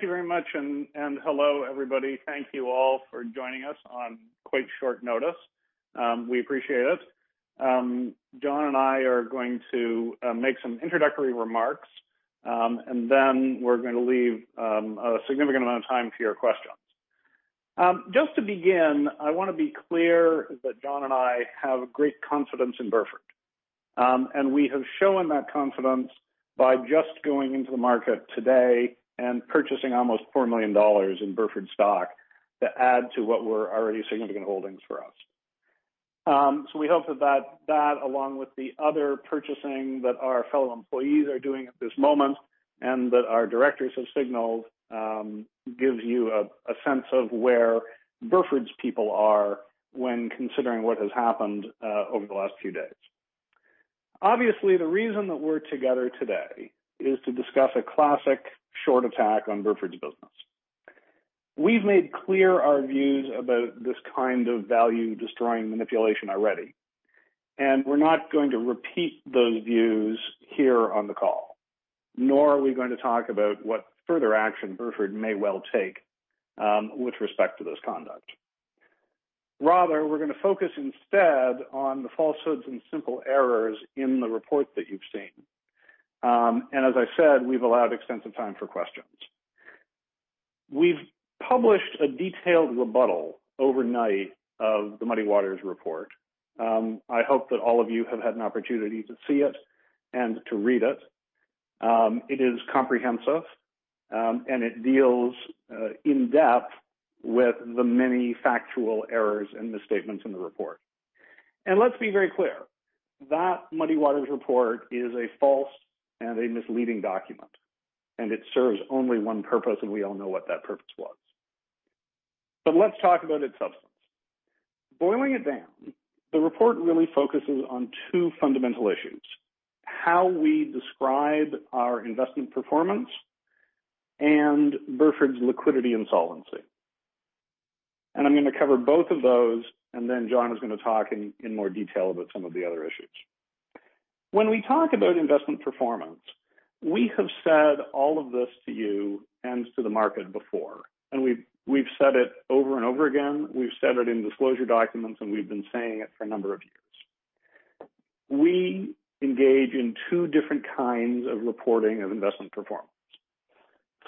Thank you very much, and hello, everybody. Thank you all for joining us on quite short notice. We appreciate it. Jon and I are going to make some introductory remarks, and then we're going to leave a significant amount of time for your questions. Just to begin, I want to be clear that Jon and I have great confidence in Burford. We have shown that confidence by just going into the market today and purchasing almost $4 million in Burford stock to add to what were already significant holdings for us. We hope that that, along with the other purchasing that our fellow employees are doing at this moment, and that our directors have signaled, gives you a sense of where Burford's people are when considering what has happened over the last few days. Obviously, the reason that we're together today is to discuss a classic short attack on Burford's business. We've made clear our views about this kind of value-destroying manipulation already, and we're not going to repeat those views here on the call, nor are we going to talk about what further action Burford may well take with respect to this conduct. Rather, we're going to focus instead on the falsehoods and simple errors in the report that you've seen. As I said, we've allowed extensive time for questions. We've published a detailed rebuttal overnight of the Muddy Waters report. I hope that all of you have had an opportunity to see it and to read it. It is comprehensive, and it deals in-depth with the many factual errors and misstatements in the report. Let's be very clear, that Muddy Waters report is a false and a misleading document, and it serves only one purpose, and we all know what that purpose was. Let's talk about its substance. Boiling it down, the report really focuses on two fundamental issues: how we describe our investment performance and Burford's liquidity and solvency. I'm going to cover both of those, and then John is going to talk in more detail about some of the other issues. When we talk about investment performance, we have said all of this to you and to the market before, and we've said it over and over again. We've said it in disclosure documents, and we've been saying it for a number of years. We engage in two different kinds of reporting of investment performance.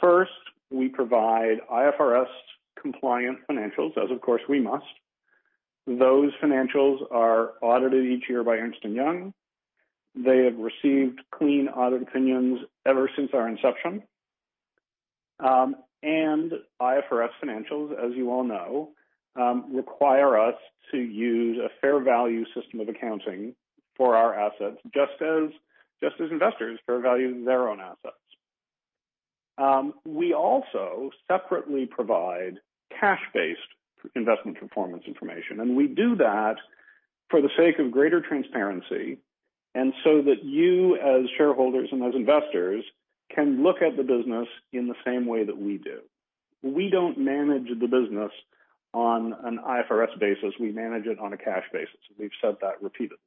First, we provide IFRS compliance financials, as of course we must. Those financials are audited each year by Ernst & Young. They have received clean audit opinions ever since our inception. IFRS financials, as you all know, require us to use a fair value system of accounting for our assets, just as investors fair value their own assets. We also separately provide cash-based investment performance information. We do that for the sake of greater transparency so that you, as shareholders and as investors, can look at the business in the same way that we do. We don't manage the business on an IFRS basis. We manage it on a cash basis. We've said that repeatedly.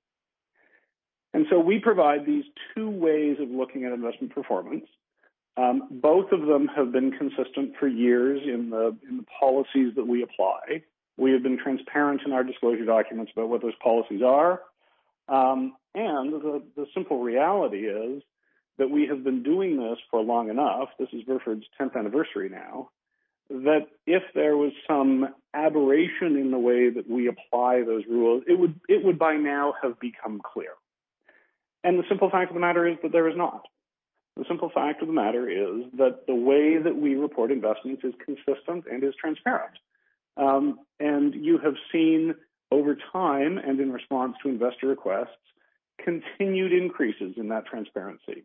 We provide these two ways of looking at investment performance. Both of them have been consistent for years in the policies that we apply. We have been transparent in our disclosure documents about what those policies are. The simple reality is that we have been doing this for long enough, this is Burford's 10th anniversary now, that if there was some aberration in the way that we apply those rules, it would by now have become clear. The simple fact of the matter is that there is not. The simple fact of the matter is that the way that we report investments is consistent and is transparent. You have seen over time, and in response to investor requests, continued increases in that transparency,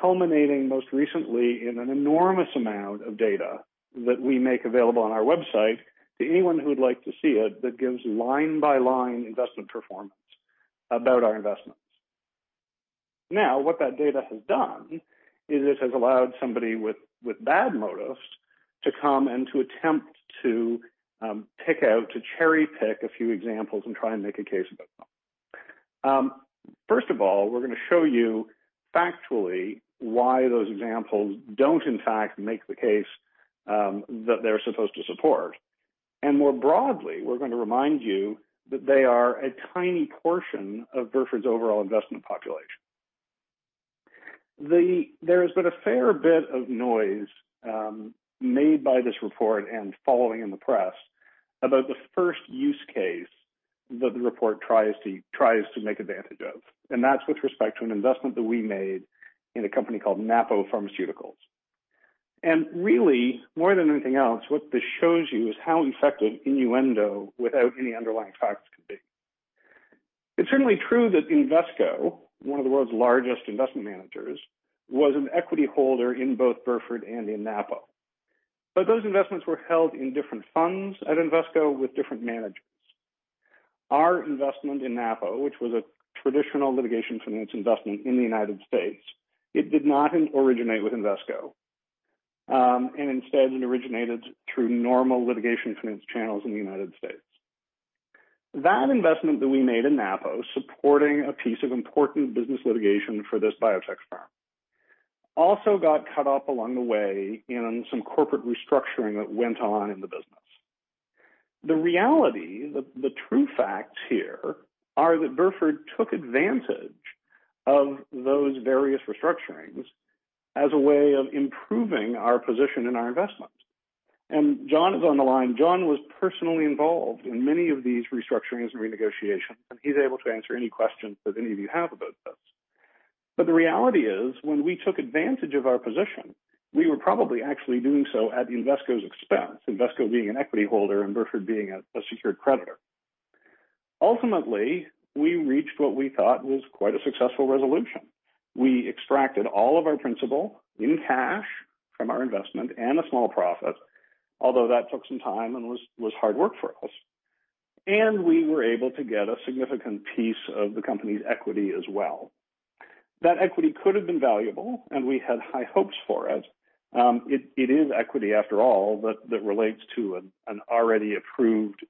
culminating most recently in an enormous amount of data that we make available on our website to anyone who would like to see it that gives line-by-line investment performance about our investments. What that data has done is it has allowed somebody with bad motives to come and to attempt to cherry-pick a few examples and try and make a case about them. First of all, we're going to show you factually why those examples don't in fact make the case that they're supposed to support. More broadly, we're going to remind you that they are a tiny portion of Burford's overall investment population. There has been a fair bit of noise made by this report and following in the press about the first use case that the report tries to make advantage of, and that's with respect to an investment that we made in a company called Napo Pharmaceuticals. Really, more than anything else, what this shows you is how effective innuendo without any underlying facts can be. It's certainly true that Invesco, one of the world's largest investment managers, was an equity holder in both Burford and in Napo. Those investments were held in different funds at Invesco with different managers. Our investment in Napo, which was a traditional litigation finance investment in the U.S., it did not originate with Invesco. Instead, it originated through normal litigation finance channels in the U.S. That investment that we made in Napo supporting a piece of important business litigation for this biotech firm also got cut up along the way in some corporate restructuring that went on in the business. The reality, the true facts here are that Burford took advantage of those various restructurings as a way of improving our position in our investment. John is on the line. Jonathan was personally involved in many of these restructurings and renegotiations. He's able to answer any questions that any of you have about this. The reality is, when we took advantage of our position, we were probably actually doing so at Invesco's expense, Invesco being an equity holder and Burford being a secured creditor. Ultimately, we reached what we thought was quite a successful resolution. We extracted all of our principal in cash from our investment and a small profit, although that took some time and was hard work for us, and we were able to get a significant piece of the company's equity as well. That equity could have been valuable, and we had high hopes for it. It is equity, after all, that relates to an already approved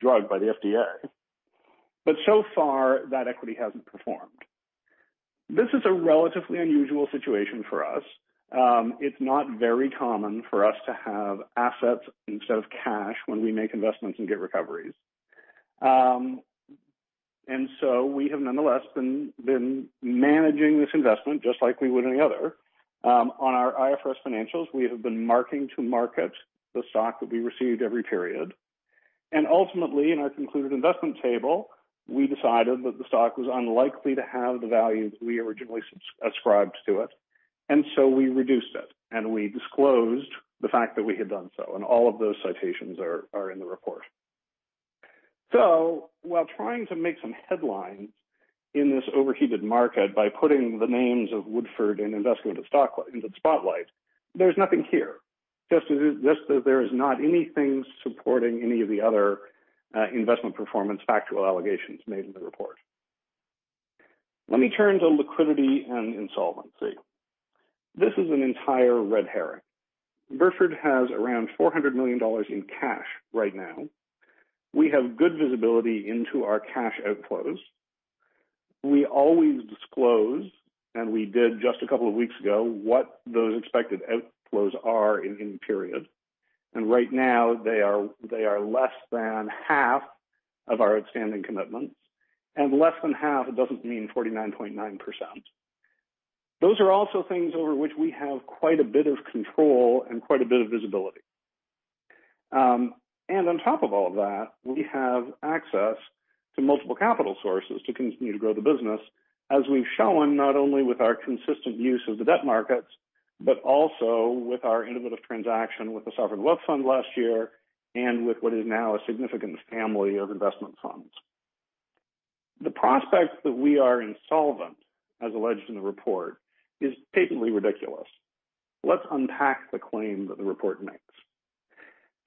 drug by the FDA. So far, that equity hasn't performed. This is a relatively unusual situation for us. It's not very common for us to have assets instead of cash when we make investments and get recoveries. We have nonetheless been managing this investment just like we would any other. On our IFRS financials, we have been marking to market the stock that we received every period, and ultimately, in our concluded investment table, we decided that the stock was unlikely to have the value that we originally subscribed to it, and so we reduced it, and we disclosed the fact that we had done so, and all of those citations are in the report. While trying to make some headlines in this overheated market by putting the names of Woodford and Invesco into the spotlight, there's nothing here. Just as there is not anything supporting any of the other investment performance factual allegations made in the report. Let me turn to liquidity and insolvency. This is an entire red herring. Burford has around $400 million in cash right now. We have good visibility into our cash outflows. We always disclose, and we did just a couple of weeks ago, what those expected outflows are in any period. Right now they are less than half of our outstanding commitments, and less than half doesn't mean 49.9%. Those are also things over which we have quite a bit of control and quite a bit of visibility. On top of all of that, we have access to multiple capital sources to continue to grow the business, as we've shown, not only with our consistent use of the debt markets, but also with our innovative transaction with the Sovereign Wealth Fund last year and with what is now a significant family of investment funds. The prospect that we are insolvent, as alleged in the report, is patently ridiculous. Let's unpack the claim that the report makes.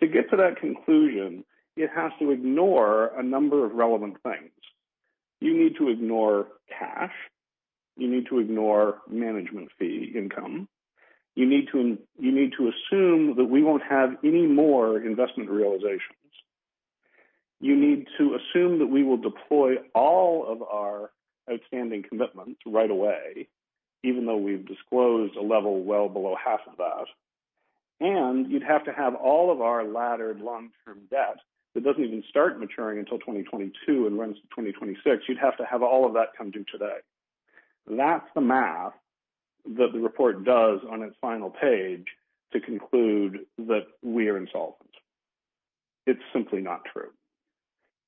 To get to that conclusion, it has to ignore a number of relevant things. You need to ignore cash. You need to ignore management fee income. You need to assume that we won't have any more investment realizations. You need to assume that we will deploy all of our outstanding commitments right away, even though we've disclosed a level well below half of that. You'd have to have all of our laddered long-term debt that doesn't even start maturing until 2022 and runs to 2026. You'd have to have all of that come due today. That's the math that the report does on its final page to conclude that we are insolvent. It's simply not true.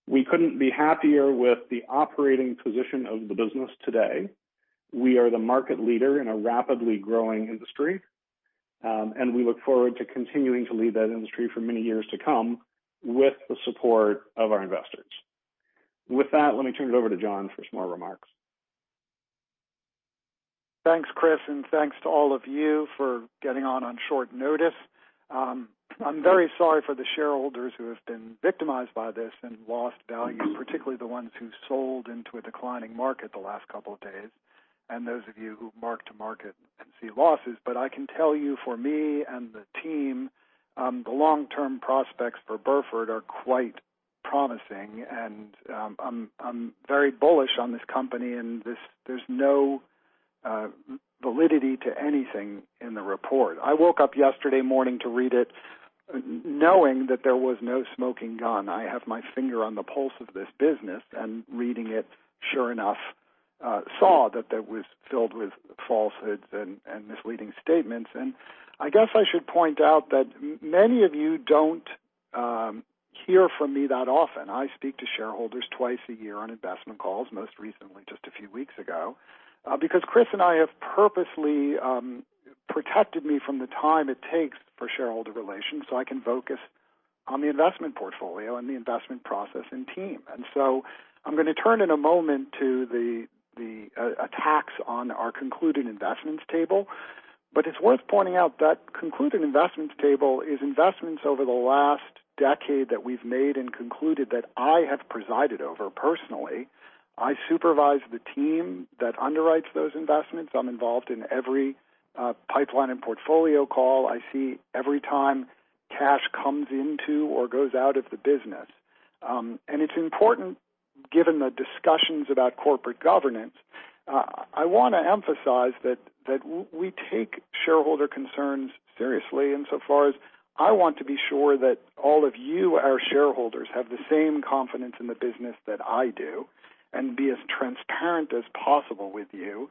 We couldn't be happier with the operating position of the business today. We are the market leader in a rapidly growing industry, and we look forward to continuing to lead that industry for many years to come with the support of our investors. With that, let me turn it over to John for some more remarks. Thanks, Chris, and thanks to all of you for getting on short notice. I'm very sorry for the shareholders who have been victimized by this and lost value, particularly the ones who sold into a declining market the last couple of days, and those of you who mark to market and see losses. I can tell you for me and the team, the long-term prospects for Burford are quite promising, and I'm very bullish on this company, and there's no validity to anything in the report. I woke up yesterday morning to read it, knowing that there was no smoking gun. I have my finger on the pulse of this business and reading it, sure enough, saw that it was filled with falsehoods and misleading statements. I guess I should point out that many of you don't hear from me that often. I speak to shareholders twice a year on investment calls, most recently just a few weeks ago because Chris and I have purposely protected me from the time it takes for shareholder relations so I can focus on the investment portfolio and the investment process and team. I'm going to turn in a moment to the attacks on our concluding investments table. It's worth pointing out that concluding investments table is investments over the last decade that we've made and concluded that I have presided over personally. I supervise the team that underwrites those investments. I'm involved in every pipeline and portfolio call. I see every time cash comes into or goes out of the business. It's important given the discussions about corporate governance. I want to emphasize that we take shareholder concerns seriously insofar as I want to be sure that all of you, our shareholders, have the same confidence in the business that I do and be as transparent as possible with you,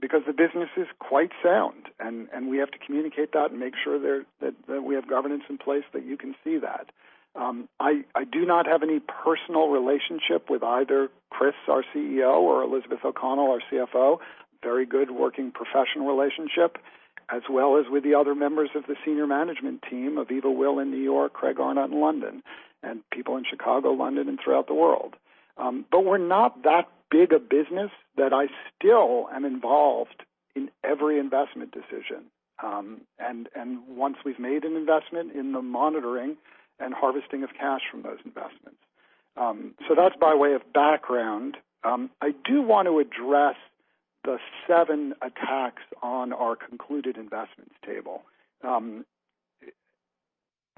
because the business is quite sound, and we have to communicate that and make sure that we have governance in place that you can see that. I do not have any personal relationship with either Chris, our CEO, or Elizabeth O'Connell, our CFO. Very good working professional relationship, as well as with the other members of the senior management team of Aviva Will in New York, Craig Arnott in London, and people in Chicago, London, and throughout the world. We're not that big a business that I still am involved in every investment decision. Once we've made an investment in the monitoring and harvesting of cash from those investments. That's by way of background. I do want to address the seven attacks on our concluded investments table.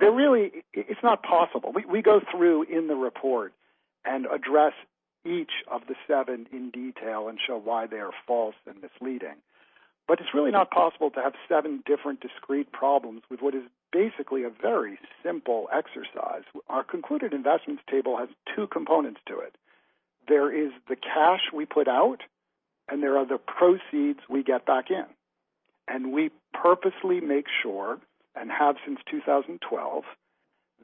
It's not possible. We go through in the report and address each of the seven in detail and show why they are false and misleading. It's really not possible to have seven different discrete problems with what is basically a very simple exercise. Our concluded investments table has two components to it. There is the cash we put out, and there are the proceeds we get back in. We purposely make sure, and have since 2012,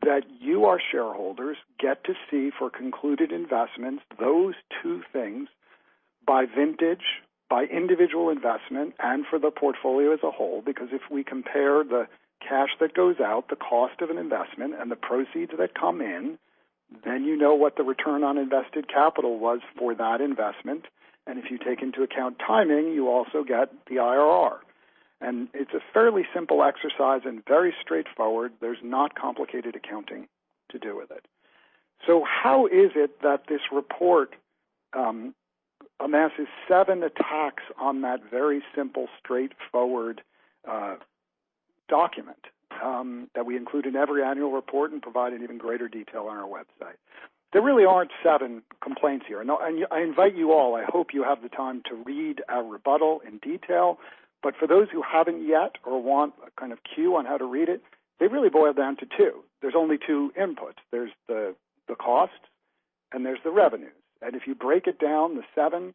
that you, our shareholders, get to see for concluded investments, those two things by vintage, by individual investment, and for the portfolio as a whole. If we compare the cash that goes out, the cost of an investment, and the proceeds that come in, then you know what the return on invested capital was for that investment. If you take into account timing, you also get the IRR. It's a fairly simple exercise and very straightforward. There's not complicated accounting to do with it. How is it that this report amasses seven attacks on that very simple, straightforward document that we include in every annual report and provide in even greater detail on our website? There really aren't seven complaints here, and I invite you all, I hope you have the time to read our rebuttal in detail, but for those who haven't yet or want a kind of cue on how to read it, they really boil down to two. There's only two inputs. There's the cost and there's the revenues. If you break it down, the seven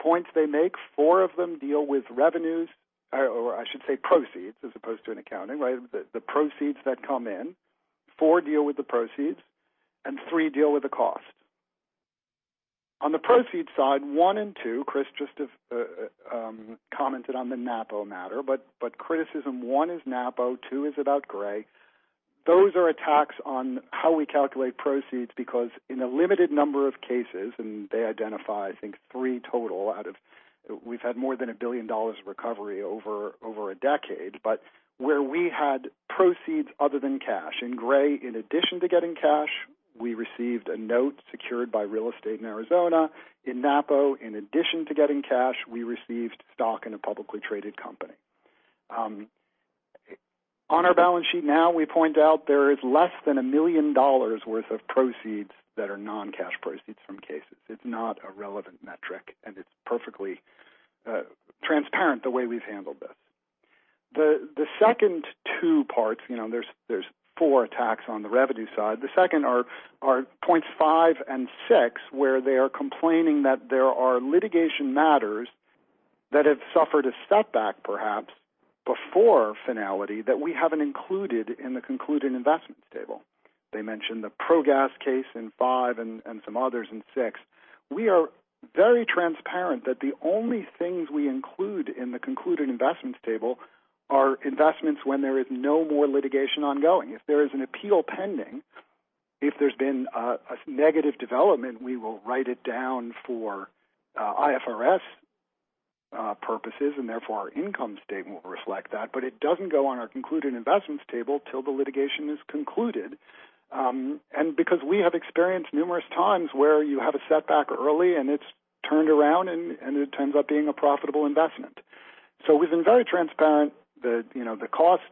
points they make, four of them deal with revenues, or I should say proceeds as opposed to an accounting, right? The proceeds that come in. Four deal with the proceeds and three deal with the cost. On the proceeds side, one and two, Chris just commented on the Napo matter. Criticism one is Napo, two is about Gray. Those are attacks on how we calculate proceeds because in a limited number of cases, and they identify, I think, three total. We've had more than $1 billion of recovery over a decade, but where we had proceeds other than cash. In Gray, in addition to getting cash, we received a note secured by real estate in Arizona. In Napo, in addition to getting cash, we received stock in a publicly traded company. On our balance sheet now, we point out there is less than $1 million worth of proceeds that are non-cash proceeds from cases. It's not a relevant metric, and it's perfectly transparent the way we've handled this. The second two parts, there's four attacks on the revenue side. The second are points 5 and 6, where they are complaining that there are litigation matters that have suffered a setback, perhaps, before finality that we haven't included in the concluded investments table. They mentioned the ProGas case in five and some others in six. We are very transparent that the only things we include in the concluded investments table are investments when there is no more litigation ongoing. If there is an appeal pending, if there's been a negative development, we will write it down for IFRS purposes, and therefore our income statement will reflect that. It doesn't go on our concluded investments table till the litigation is concluded, and because we have experienced numerous times where you have a setback early and it's turned around and it ends up being a profitable investment. We've been very transparent. The costs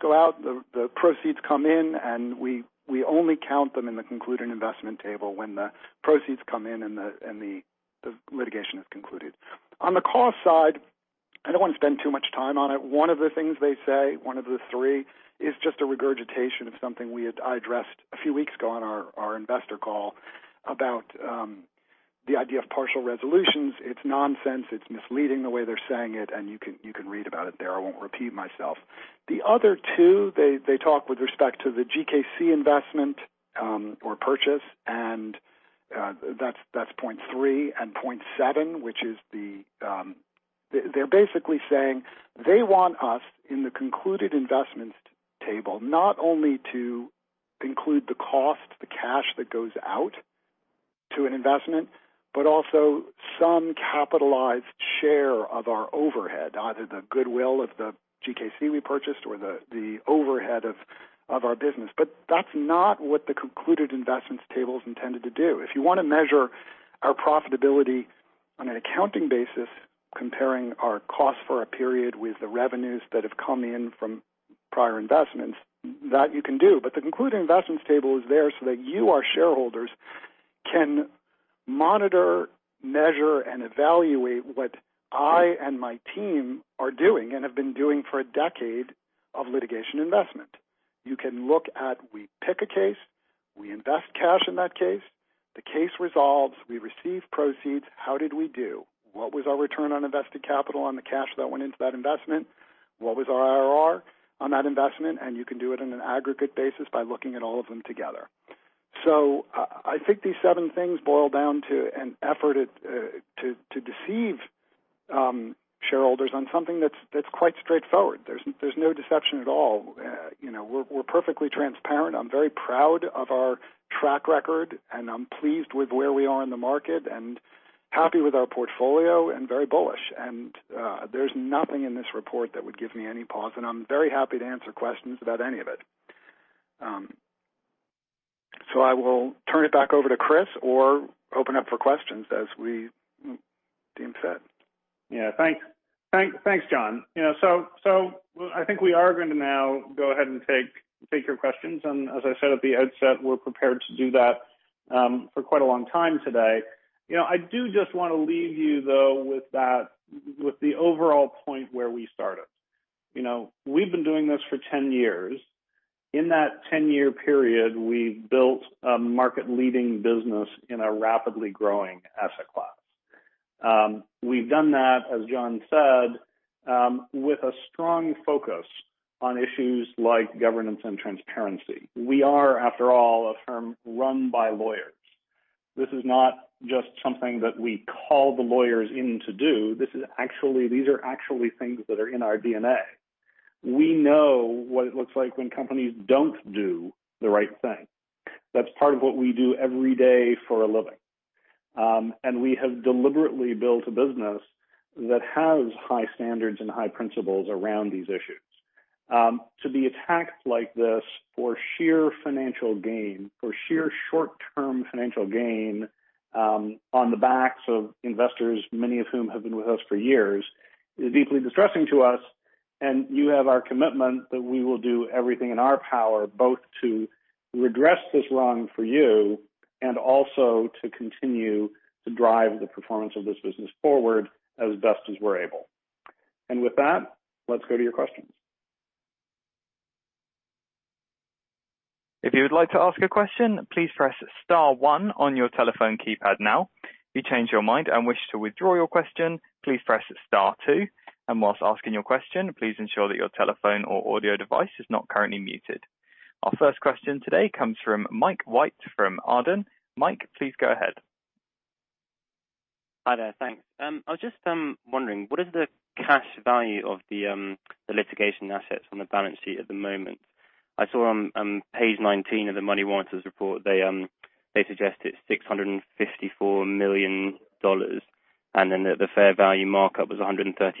go out, the proceeds come in, and we only count them in the concluded investment table when the proceeds come in and the litigation is concluded. On the cost side, I don't want to spend too much time on it. One of the things they say, one of the three, is just a regurgitation of something I addressed a few weeks ago on our investor call about the idea of partial resolutions. It's nonsense. It's misleading the way they're saying it, and you can read about it there. I won't repeat myself. The other two, they talk with respect to the GKC investment or purchase, that's point three and point seven. They're basically saying they want us in the concluded investments table not only to include the cost, the cash that goes out to an investment, but also some capitalized share of our overhead, either the goodwill of the GKC we purchased or the overhead of our business. That's not what the concluded investments table is intended to do. If you want to measure our profitability on an accounting basisComparing our costs for a period with the revenues that have come in from prior investments, that you can do. The concluded investments table is there so that you, our shareholders, can monitor, measure, and evaluate what I and my team are doing and have been doing for a decade of litigation investment. You can look at we pick a case, we invest cash in that case, the case resolves, we receive proceeds. How did we do? What was our return on invested capital on the cash that went into that investment? What was our IRR on that investment? You can do it on an aggregate basis by looking at all of them together. I think these seven things boil down to an effort to deceive shareholders on something that's quite straightforward. There's no deception at all. We're perfectly transparent. I'm very proud of our track record, and I'm pleased with where we are in the market and happy with our portfolio and very bullish. There's nothing in this report that would give me any pause, and I'm very happy to answer questions about any of it. I will turn it back over to Chris or open up for questions as we deem fit. Yeah. Thanks, John. I think we are going to now go ahead and take your questions. As I said at the outset, we're prepared to do that for quite a long time today. I do just want to leave you, though, with the overall point where we started. We've been doing this for 10 years. In that 10-year period, we've built a market-leading business in a rapidly growing asset class. We've done that, as John said, with a strong focus on issues like governance and transparency. We are, after all, a firm run by lawyers. This is not just something that we call the lawyers in to do. These are actually things that are in our DNA. We know what it looks like when companies don't do the right thing. That's part of what we do every day for a living. We have deliberately built a business that has high standards and high principles around these issues. To be attacked like this for sheer financial gain, for sheer short-term financial gain on the backs of investors, many of whom have been with us for years, is deeply distressing to us, and you have our commitment that we will do everything in our power both to redress this wrong for you and also to continue to drive the performance of this business forward as best as we're able. With that, let's go to your questions. If you would like to ask a question, please press star one on your telephone keypad now. If you change your mind and wish to withdraw your question, please press star two. Whilst asking your question, please ensure that your telephone or audio device is not currently muted. Our first question today comes from Mike White from Arden. Mike, please go ahead. Hi there. Thanks. I was just wondering, what is the cash value of the litigation assets on the balance sheet at the moment? I saw on page 19 of the Muddy Waters report, they suggest it's $654 million, and then the fair value markup was 135%.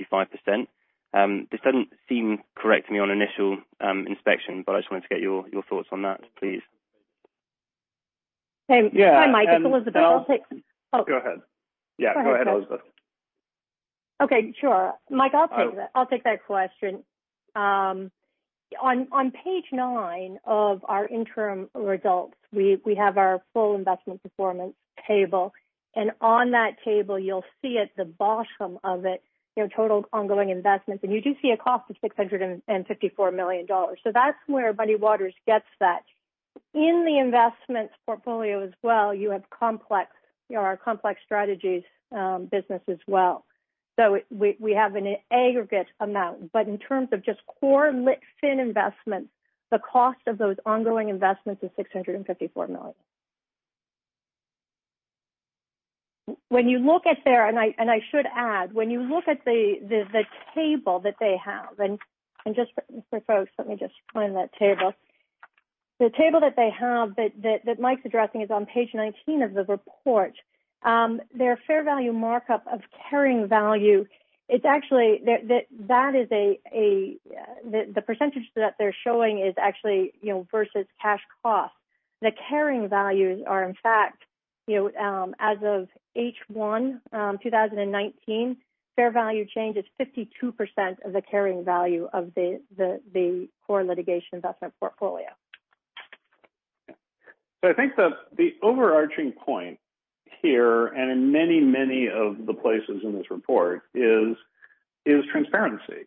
This doesn't seem correct to me on initial inspection, but I just wanted to get your thoughts on that, please. Yeah. Hi, Mike, it's Elizabeth. Go ahead. Oh. Yeah, go ahead, Elizabeth. Okay. Sure. Mike, I'll take that question. On page nine of our interim results, we have our full investment performance table, and on that table, you'll see at the bottom of it, total ongoing investments, and you do see a cost of $654 million. That's where Muddy Waters gets that. In the investments portfolio as well, you have our complex strategies business as well. We have an aggregate amount, but in terms of just core lit fin investments, the cost of those ongoing investments is $654 million. When you look at there, and I should add, when you look at the table that they have, and for folks, let me just find that table. The table that they have that Mike's addressing is on page 19 of the report. Their fair value markup of carrying value, the % that they're showing is actually versus cash cost. The carrying values are, in fact, as of H1 2019, fair value change is 52% of the carrying value of the core litigation investment portfolio. I think the overarching point here, and in many of the places in this report, is transparency.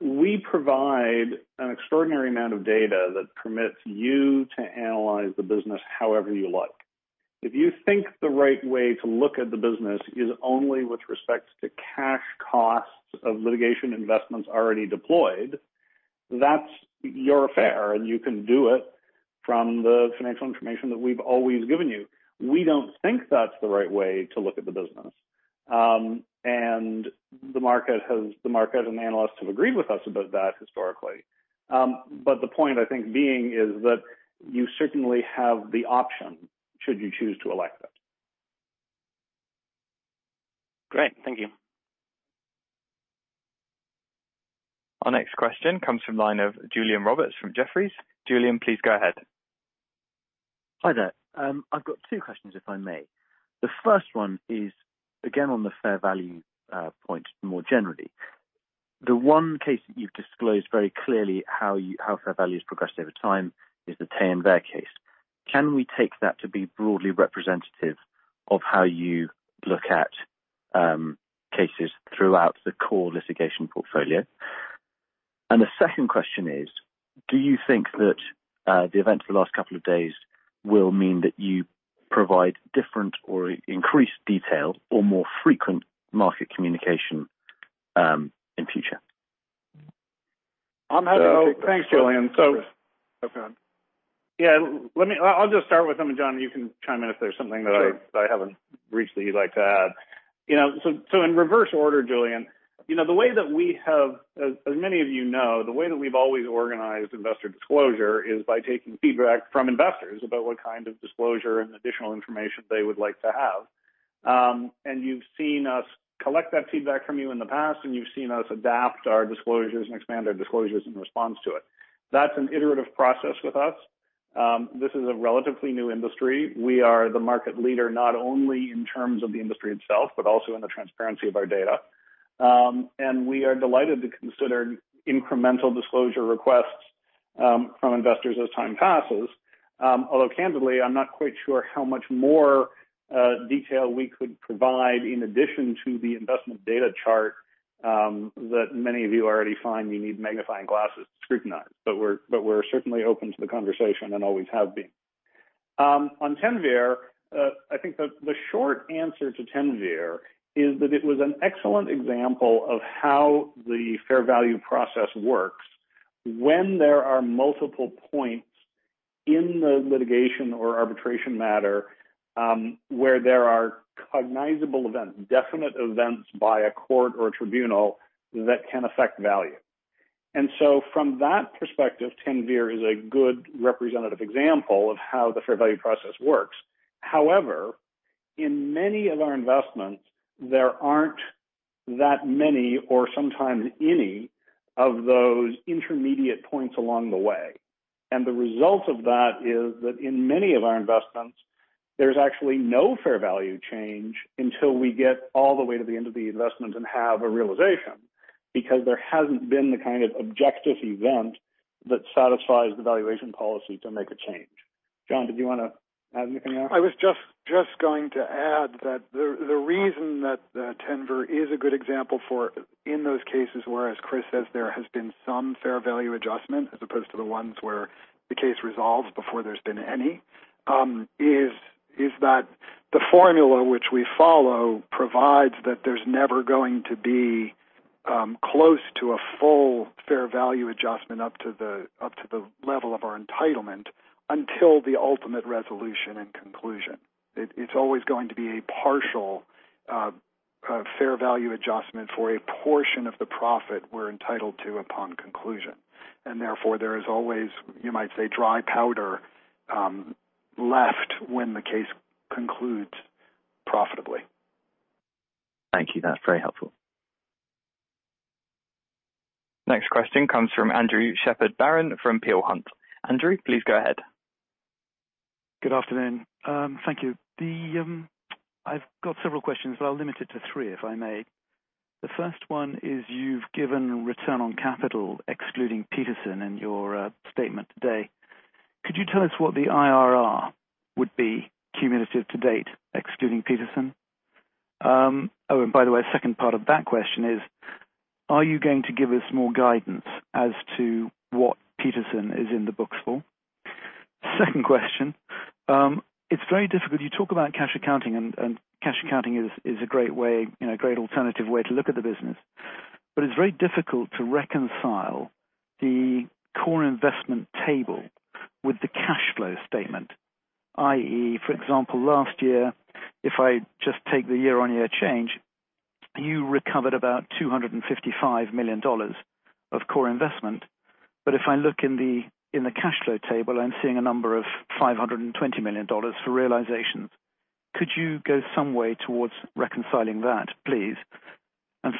We provide an extraordinary amount of data that permits you to analyze the business however you like. If you think the right way to look at the business is only with respect to cash costs of litigation investments already deployed, that's your affair, and you can do it from the financial information that we've always given you. We don't think that's the right way to look at the business. The market and the analysts have agreed with us about that historically. The point I think being is that you certainly have the option should you choose to elect it. Great. Thank you. Our next question comes from line of Julian Roberts from Jefferies. Julian, please go ahead. Hi there. I've got two questions, if I may. The first one is, again, on the fair value point more generally. The one case that you've disclosed very clearly how fair value has progressed over time is the Teinver case. Can we take that to be broadly representative of how you look at cases throughout the core litigation portfolio? The second question is, do you think that the events of the last couple of days will mean that you provide different or increased detail or more frequent market communication in future? I'm happy to take that. So- Thanks, Julian. Chris. Go on. Yeah, I'll just start with them, and John, you can chime in if there's something that I-. Sure haven't briefly you'd like to add. In reverse order, Julian, as many of you know, the way that we've always organized investor disclosure is by taking feedback from investors about what kind of disclosure and additional information they would like to have. You've seen us collect that feedback from you in the past, and you've seen us adapt our disclosures and expand our disclosures in response to it. That's an iterative process with us. This is a relatively new industry. We are the market leader, not only in terms of the industry itself, but also in the transparency of our data. We are delighted to consider incremental disclosure requests from investors as time passes. Although candidly, I'm not quite sure how much more detail we could provide in addition to the investment data chart that many of you already find you need magnifying glasses to scrutinize. We're certainly open to the conversation and always have been. On Teinver, I think the short answer to Teinver is that it was an excellent example of how the fair value process works when there are multiple points in the litigation or arbitration matter where there are cognizable events, definite events by a court or a tribunal that can affect value. From that perspective, Teinver is a good representative example of how the fair value process works. However, in many of our investments, there aren't that many or sometimes any of those intermediate points along the way. The result of that is that in many of our investments, there is actually no fair value change until we get all the way to the end of the investment and have a realization because there has not been the kind of objective event that satisfies the valuation policy to make a change. John, did you want to add anything there? I was just going to add that the reason that Teinver is a good example for in those cases where, as Chris says, there has been some fair value adjustment as opposed to the ones where the case resolves before there's been any, is that the formula which we follow provides that there's never going to be close to a full fair value adjustment up to the level of our entitlement until the ultimate resolution and conclusion. It's always going to be a partial fair value adjustment for a portion of the profit we're entitled to upon conclusion. Therefore, there is always, you might say, dry powder left when the case concludes profitably. Thank you. That's very helpful. Next question comes from Andrew Shepherd-Barron from Peel Hunt. Andrew, please go ahead. Good afternoon. Thank you. I've got several questions, but I'll limit it to three, if I may. The first one is you've given return on capital excluding Petersen in your statement today. Could you tell us what the IRR would be cumulative to date, excluding Petersen? By the way, second part of that question is, are you going to give us more guidance as to what Petersen is in the books for? Second question, it's very difficult. You talk about cash accounting, cash accounting is a great alternative way to look at the business. It's very difficult to reconcile the core investment table with the cash flow statement, i.e., for example, last year, if I just take the year-on-year change, you recovered about $255 million of core investment. If I look in the cash flow table, I'm seeing a number of $520 million for realizations. Could you go some way towards reconciling that, please?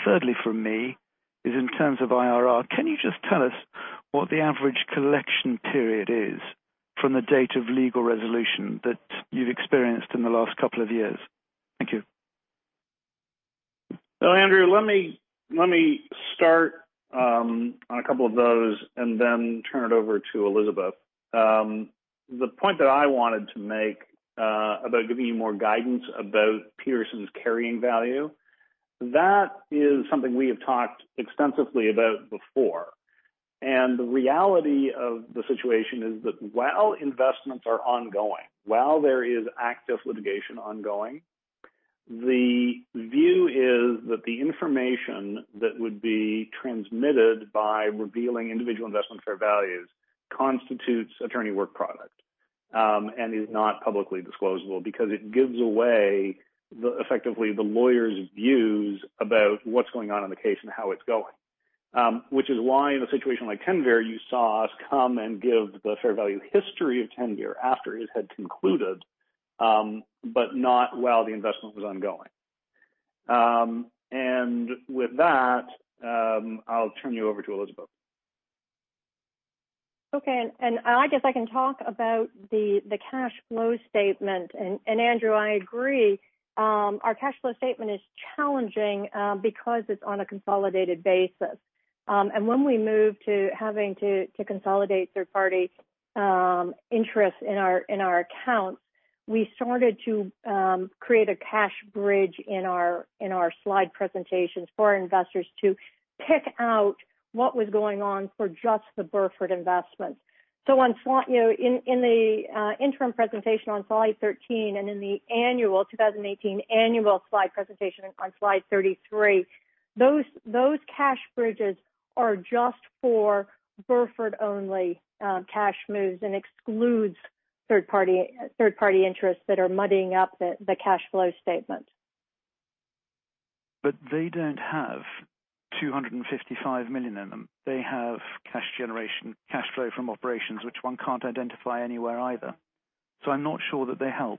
Thirdly from me is in terms of IRR, can you just tell us what the average collection period is from the date of legal resolution that you've experienced in the last couple of years? Thank you. Andrew, let me start on a couple of those and then turn it over to Elizabeth. The point that I wanted to make about giving you more guidance about Petersen's carrying value, that is something we have talked extensively about before. The reality of the situation is that while investments are ongoing, while there is active litigation ongoing, the view is that the information that would be transmitted by revealing individual investment fair values constitutes attorney work product, and is not publicly disclosable because it gives away effectively the lawyer's views about what's going on in the case and how it's going. Which is why in a situation like Teinver, you saw us come and give the fair value history of Teinver after it had concluded but not while the investment was ongoing. With that, I'll turn you over to Elizabeth. Okay. I guess I can talk about the cash flow statement. Andrew, I agree, our cash flow statement is challenging because it's on a consolidated basis. When we moved to having to consolidate third-party interests in our accounts, we started to create a cash bridge in our slide presentations for investors to pick out what was going on for just the Burford investment. In the interim presentation on slide 13 and in the 2018 annual slide presentation on slide 33, those cash bridges are just for Burford-only cash moves and excludes third-party interests that are muddying up the cash flow statement. They don't have $255 million in them. They have cash flow from operations, which one can't identify anywhere either. I'm not sure that they help.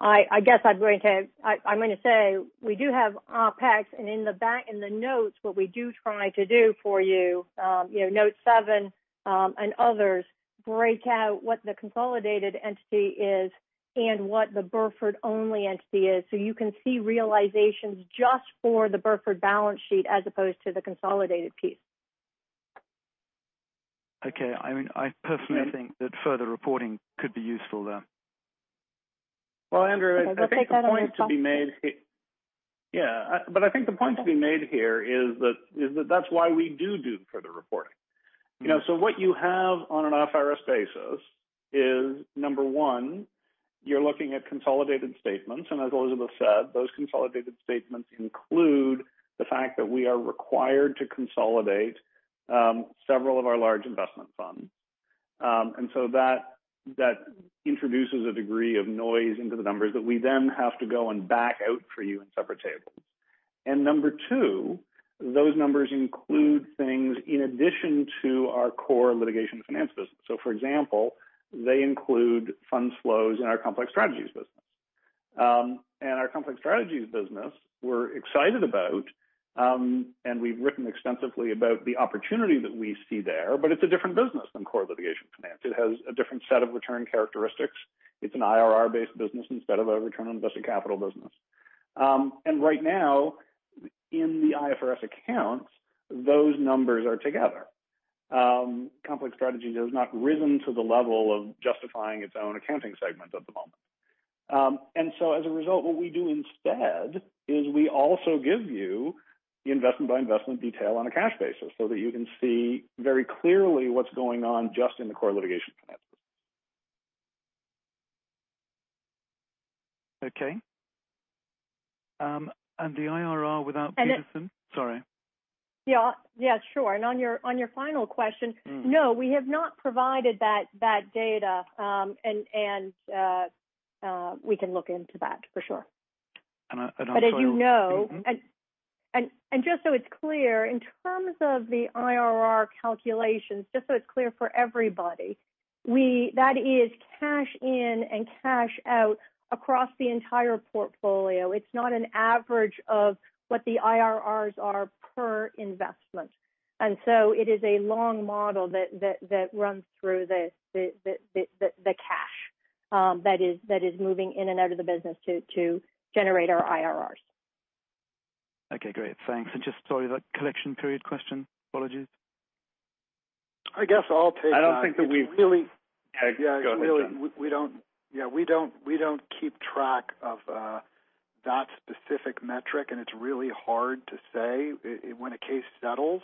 I guess I'm going to say we do have our packs and in the notes, what we do try to do for you, note seven and others break out what the consolidated entity is and what the Burford-only entity is. You can see realizations just for the Burford balance sheet as opposed to the consolidated piece. Okay. I personally think that further reporting could be useful there. Well, Andrew, I think the point to be made. Yeah. I think the point to be made here is that that's why we do further reporting. What you have on an IFRS basis is, number one, you're looking at consolidated statements, and as Elizabeth said, those consolidated statements include the fact that we are required to consolidate several of our large investment funds. That introduces a degree of noise into the numbers that we then have to go and back out for you in separate tables. Number two, those numbers include things in addition to our core litigation finance business. For example, they include fund flows in our complex strategies business. Our complex strategies business, we're excited about, and we've written extensively about the opportunity that we see there, but it's a different business than core litigation finance. It has a different set of return characteristics. It's an IRR-based business instead of a return on invested capital business. Right now, in the IFRS accounts, those numbers are together. Complex strategy has not risen to the level of justifying its own accounting segment at the moment. As a result, what we do instead is we also give you the investment by investment detail on a cash basis so that you can see very clearly what's going on just in the core litigation finance business. Okay. The IRR without Petersen. And it- Sorry. Yeah. Sure. On your final question. No, we have not provided that data. We can look into that for sure. I'm sure you- As you know, and just so it's clear, in terms of the IRR calculations, just so it's clear for everybody, that is cash in and cash out across the entire portfolio. It's not an average of what the IRRs are per investment. It is a long model that runs through the cash that is moving in and out of the business to generate our IRRs. Okay, great. Thanks. Just sorry, that collection period question. Apologies. I guess I'll take that. I don't think that we really- Yeah. We don't keep track of that specific metric, and it's really hard to say. When a case settles,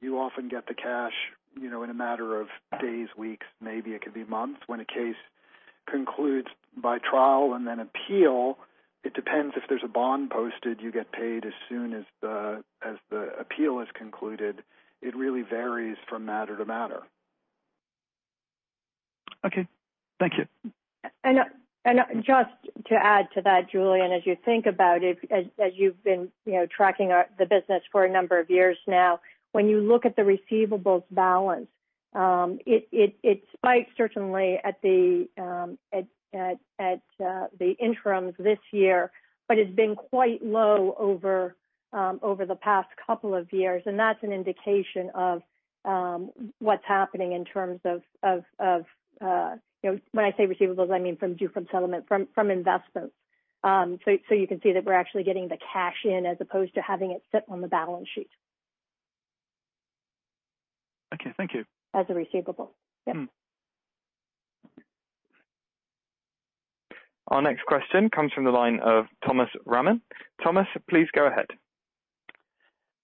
you often get the cash in a matter of days, weeks, maybe it could be months. When a case concludes by trial and then appeal, it depends if there's a bond posted, you get paid as soon as the appeal is concluded. It really varies from matter to matter. Okay. Thank you. Just to add to that, Julian, as you think about it, as you've been tracking the business for a number of years now, when you look at the receivables balance, it spiked certainly at the interims this year. It's been quite low over the past couple of years, that's an indication of what's happening in terms of, when I say receivables, I mean from due from settlement, from investments. You can see that we're actually getting the cash in as opposed to having it sit on the balance sheet. Okay. Thank you. As a receivable. Yeah. Our next question comes from the line of Thomas Raman. Thomas, please go ahead.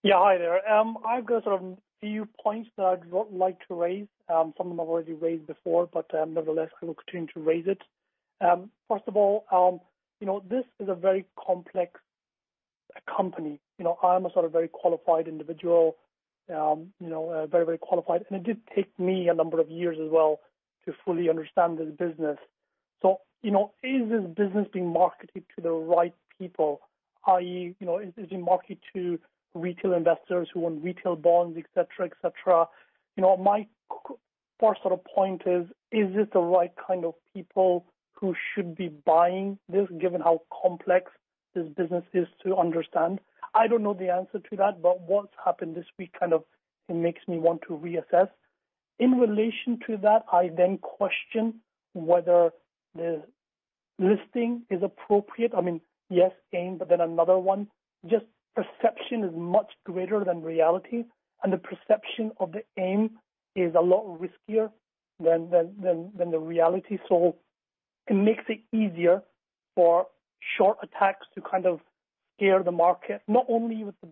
Yeah, hi there. I've got a few points that I'd like to raise. Some of them I've already raised before, but nevertheless, good opportunity to raise it. First of all, this is a very complex company. I am a sort of very qualified individual, very qualified, and it did take me a number of years as well to fully understand this business. Is this business being marketed to the right people? Is it marketed to retail investors who want retail bonds, et cetera? My first sort of point is this the right kind of people who should be buying this, given how complex this business is to understand? I don't know the answer to that, but what's happened this week kind of makes me want to reassess. In relation to that, I then question whether the listing is appropriate. I mean, yes, AIM, but then another one. Just perception is much greater than reality. The perception of the AIM is a lot riskier than the reality. It makes it easier for short attacks to kind of scare the market, not only with the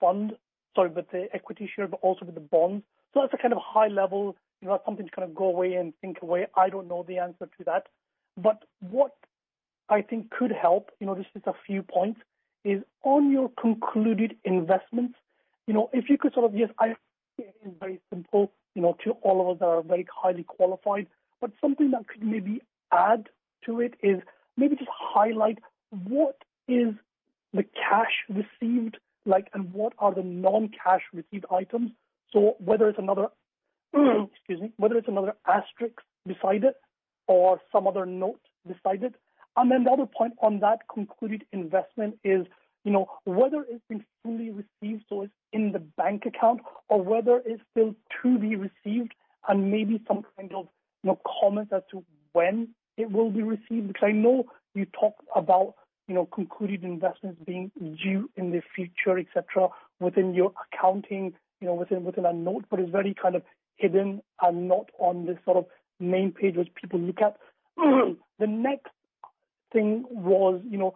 fund, sorry, with the equity share, but also with the bonds. That's a kind of high level, something to kind of go away and think away. I don't know the answer to that. What I think could help, this is just a few points, is on your concluded investments, if you could sort of just I understand it is very simple to all of us are very highly qualified. Something that could maybe add to it is maybe just highlight what is the cash received like and what are the non-cash received items. Whether it's another, excuse me, whether it's another asterisk beside it or some other note beside it. The other point on that concluded investment is, whether it's been fully received, so it's in the bank account or whether it's still to be received and maybe some kind of comment as to when it will be received. I know you talk about concluded investments being due in the future, et cetera, within your accounting, within a note, but it's very kind of hidden and not on this sort of main page which people look at. The next thing was, your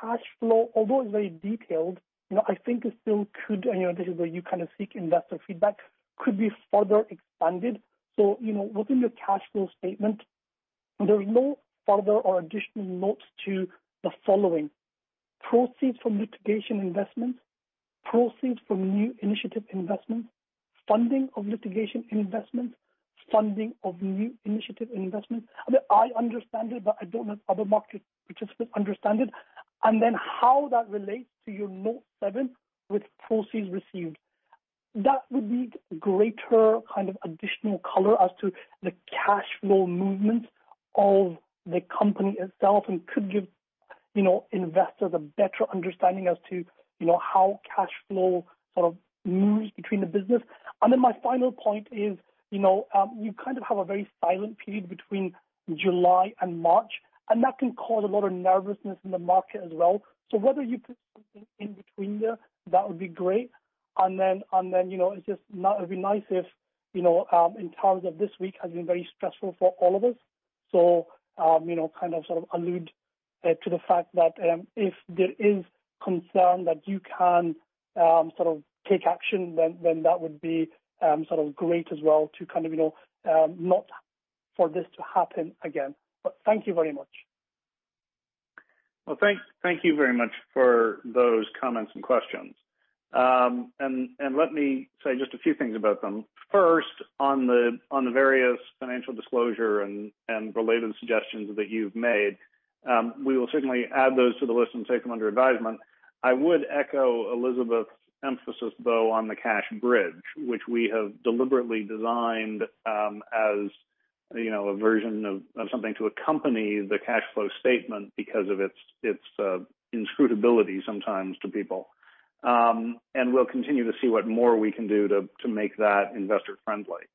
cash flow, although it's very detailed, I think it still could, and this is where you kind of seek investor feedback, could be further expanded. Within your cash flow statement, there's no further or additional notes to the following. Proceeds from litigation investments, proceeds from new initiative investments, funding of litigation investments, funding of new initiative investments. I understand it. I don't know if other market participants understand it. How that relates to your note seven with proceeds received. That would need greater kind of additional color as to the cash flow movements of the company itself and could give investors a better understanding as to how cash flow sort of moves between the business. My final point is, you kind of have a very silent period between July and March, and that can cause a lot of nervousness in the market as well. Whether you put something in between there, that would be great. This week has been very stressful for all of us. Kind of sort of allude to the fact that, if there is concern that you can sort of take action then that would be sort of great as well to kind of not for this to happen again. Thank you very much. Well, thank you very much for those comments and questions. Let me say just a few things about them. First, on the various financial disclosure and related suggestions that you've made, we will certainly add those to the list and take them under advisement. I would echo Elizabeth's emphasis, though, on the cash bridge, which we have deliberately designed as a version of something to accompany the cash flow statement because of its inscrutability sometimes to people. We'll continue to see what more we can do to make that investor-friendly.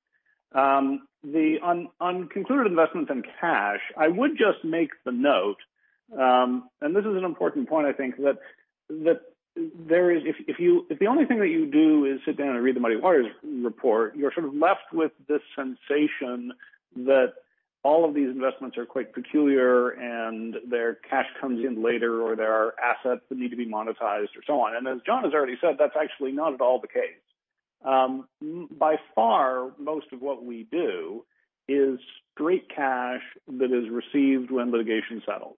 On concluded investments and cash, I would just make the note, and this is an important point, I think, that if the only thing that you do is sit down and read the Muddy Waters report, you're sort of left with this sensation that all of these investments are quite peculiar and their cash comes in later or there are assets that need to be monetized or so on. As John has already said, that's actually not at all the case. By far, most of what we do is straight cash that is received when litigation settles.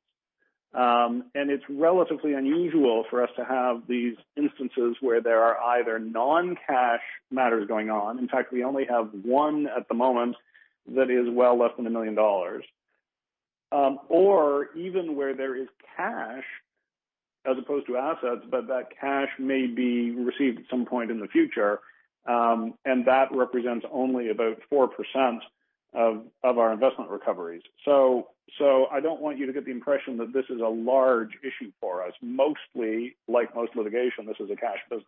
It's relatively unusual for us to have these instances where there are either non-cash matters going on. In fact, we only have one at the moment that is well less than $1 million. Even where there is cash as opposed to assets, but that cash may be received at some point in the future, and that represents only about 4% of our investment recoveries. I don't want you to get the impression that this is a large issue for us. Mostly, like most litigation, this is a cash business.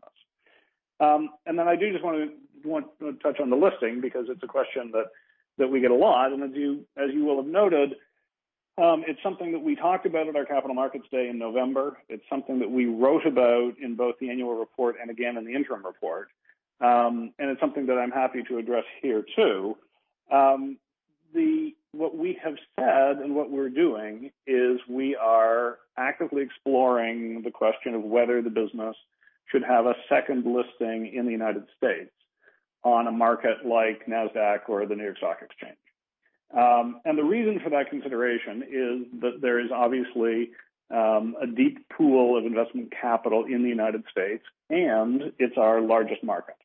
Then I do just want to touch on the listing because it's a question that we get a lot. As you will have noted, it's something that we talked about at our Capital Markets Day in November. It's something that we wrote about in both the annual report and again in the interim report. It's something that I'm happy to address here, too. What we have said and what we're doing is we are actively exploring the question of whether the business should have a second listing in the U.S. on a market like NASDAQ or the New York Stock Exchange. The reason for that consideration is that there is obviously a deep pool of investment capital in the U.S., and it's our largest market.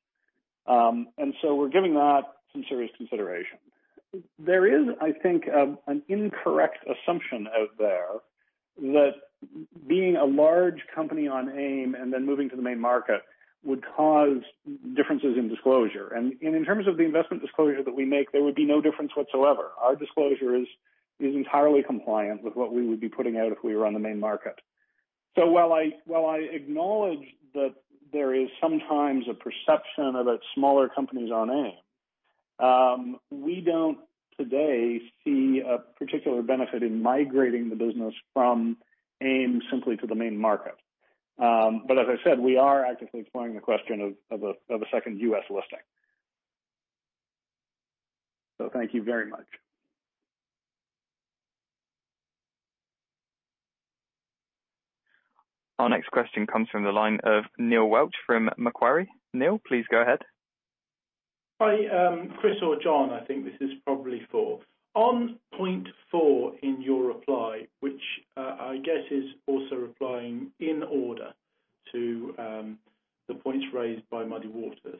So we're giving that some serious consideration. There is, I think, an incorrect assumption out there that being a large company on AIM and then moving to the main market would cause differences in disclosure. In terms of the investment disclosure that we make, there would be no difference whatsoever. Our disclosure is entirely compliant with what we would be putting out if we were on the main market. While I acknowledge that there is sometimes a perception about smaller companies on AIM, we don't today see a particular benefit in migrating the business from AIM simply to the main market. As I said, we are actively exploring the question of a second U.S. listing. Thank you very much. Our next question comes from the line of Neil Welch from Macquarie. Neil, please go ahead. Hi, Chris or John, I think this is probably for. On point four in your reply, which I guess is also replying in order to the points raised by Muddy Waters.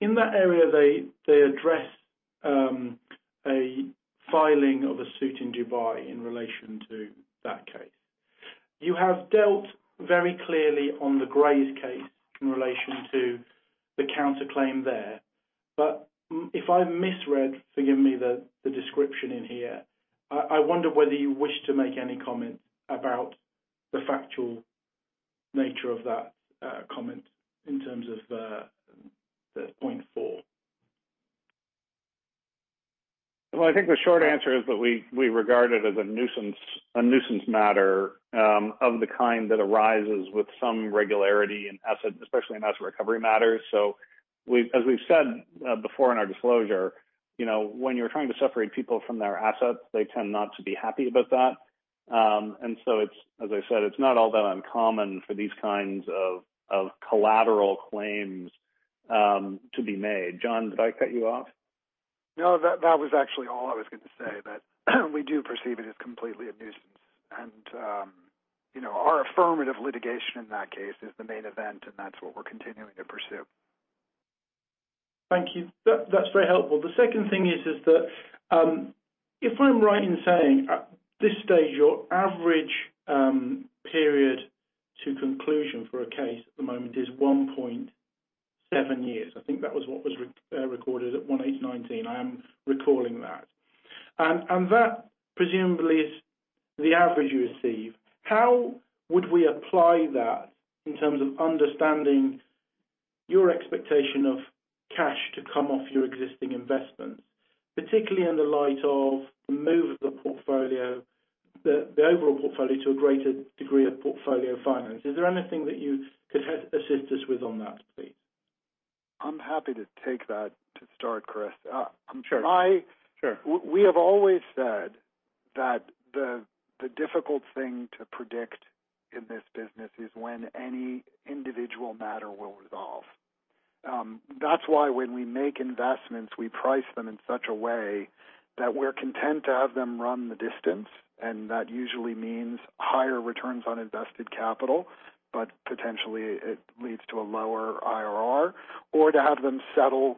In that area, they address a filing of a suit in Dubai in relation to that case. You have dealt very clearly on the Grays case in relation to the counterclaim there. If I've misread, forgive me, the description in here, I wonder whether you wish to make any comments about the factual nature of that comment in terms of point four. Well, I think the short answer is that we regard it as a nuisance matter of the kind that arises with some regularity, especially in asset recovery matters. As we've said before in our disclosure, when you're trying to separate people from their assets, they tend not to be happy about that. As I said, it's not all that uncommon for these kinds of collateral claims to be made. John, did I cut you off? No, that was actually all I was going to say, that we do perceive it as completely a nuisance. Our affirmative litigation in that case is the main event, and that's what we're continuing to pursue. Thank you. That's very helpful. The second thing is that, if I'm right in saying, at this stage, your average period to conclusion for a case at the moment is 1.7 years. I think that was what was recorded at 1819. I am recalling that. That presumably is the average you receive. How would we apply that in terms of understanding your expectation of cash to come off your existing investments, particularly in the light of the move of the portfolio, the overall portfolio, to a greater degree of portfolio finance. Is there anything that you could assist us with on that, please? I'm happy to take that to start, Chris. Sure. Sure. We have always said that the difficult thing to predict in this business is when any individual matter will resolve. That's why when we make investments, we price them in such a way that we're content to have them run the distance, and that usually means higher returns on invested capital, but potentially it leads to a lower IRR. To have them settle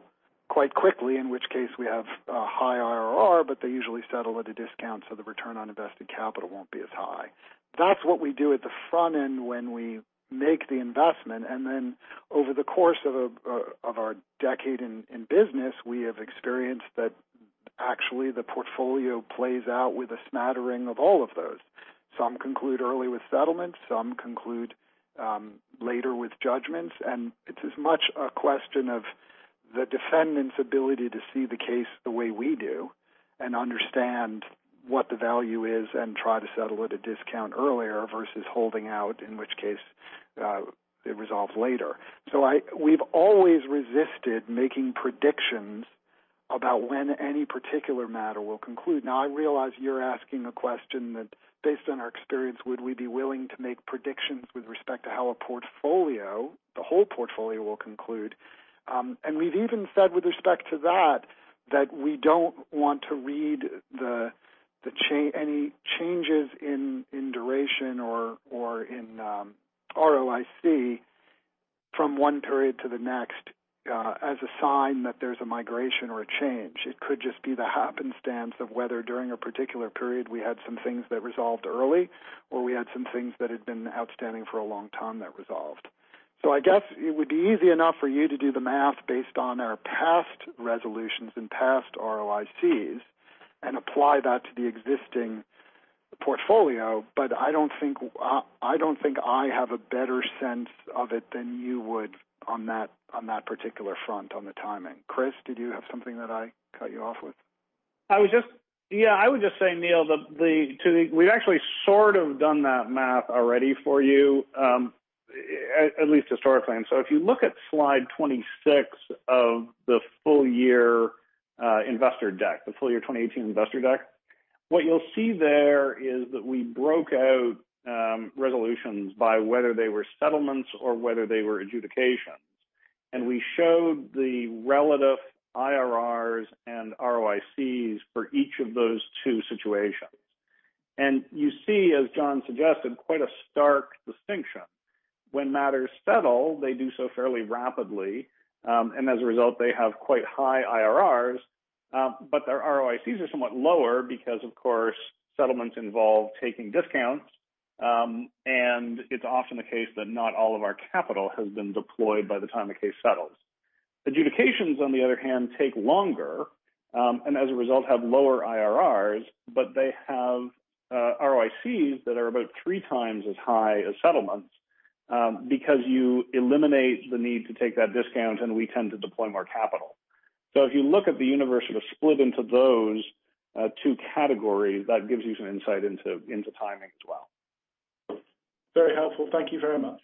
quite quickly, in which case we have a high IRR, but they usually settle at a discount, so the return on invested capital won't be as high. That's what we do at the front end when we make the investment, and then over the course of our decade in business, we have experienced that actually the portfolio plays out with a smattering of all of those. Some conclude early with settlements, some conclude later with judgments, and it's as much a question of the defendant's ability to see the case the way we do and understand what the value is and try to settle at a discount earlier versus holding out, in which case it resolves later. We've always resisted making predictions about when any particular matter will conclude. Now, I realize you're asking a question that based on our experience, would we be willing to make predictions with respect to how a portfolio, the whole portfolio will conclude. We've even said with respect to that we don't want to read any changes in duration or in ROIC from one period to the next, as a sign that there's a migration or a change. It could just be the happenstance of whether during a particular period we had some things that resolved early, or we had some things that had been outstanding for a long time that resolved. I guess it would be easy enough for you to do the math based on our past resolutions and past ROICs and apply that to the existing portfolio. I don't think I have a better sense of it than you would on that particular front on the timing. Chris, did you have something that I cut you off with? Yeah, I would just say, Neil, we've actually sort of done that math already for you, at least historically. If you look at slide 26 of the full year investor deck, the full year 2018 investor deck, what you'll see there is that we broke out resolutions by whether they were settlements or whether they were adjudications. We showed the relative IRRs and ROICs for each of those two situations. You see, as John suggested, quite a stark distinction. When matters settle, they do so fairly rapidly, and as a result, they have quite high IRRs. Their ROICs are somewhat lower because, of course, settlements involve taking discounts, and it's often the case that not all of our capital has been deployed by the time the case settles. Adjudications, on the other hand, take longer, and as a result, have lower IRRs, but they have ROICs that are about three times as high as settlements, because you eliminate the need to take that discount, and we tend to deploy more capital. If you look at the universe sort of split into those two categories, that gives you some insight into timing as well. Very helpful. Thank you very much.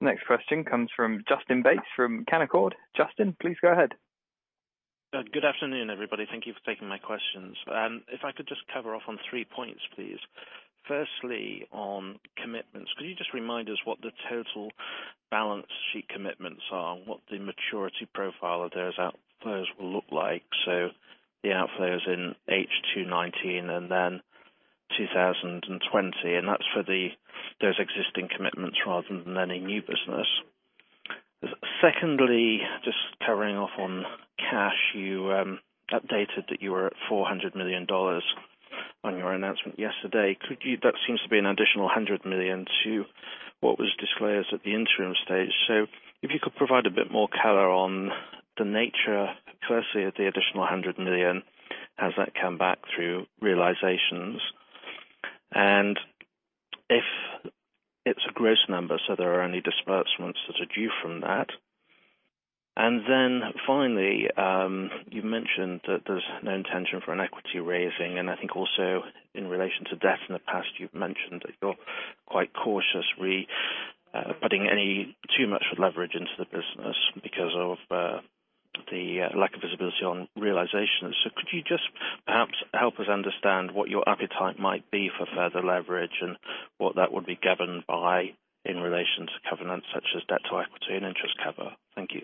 Next question comes from Justin Bates from Canaccord. Justin, please go ahead. Good afternoon, everybody. Thank you for taking my questions. If I could just cover off on three points, please. Firstly, on commitments, could you just remind us what the total balance sheet commitments are and what the maturity profile of those outflows will look like? The outflows in H2 2019 and then 2020, and that's for those existing commitments rather than any new business. Secondly, just covering off on cash, you updated that you were at $400 million on your announcement yesterday. That seems to be an additional $100 million to what was disclosed at the interim stage. If you could provide a bit more color on the nature, firstly of the additional $100 million. Has that come back through realizations? If it's a gross number, there are any disbursements that are due from that. Finally, you've mentioned that there's no intention for an equity raising, and I think also in relation to debt in the past, you've mentioned that you're quite cautious re putting any too much leverage into the business because of the lack of visibility on realization. Could you just perhaps help us understand what your appetite might be for further leverage and what that would be governed by in relation to covenants such as debt to equity and interest cover? Thank you.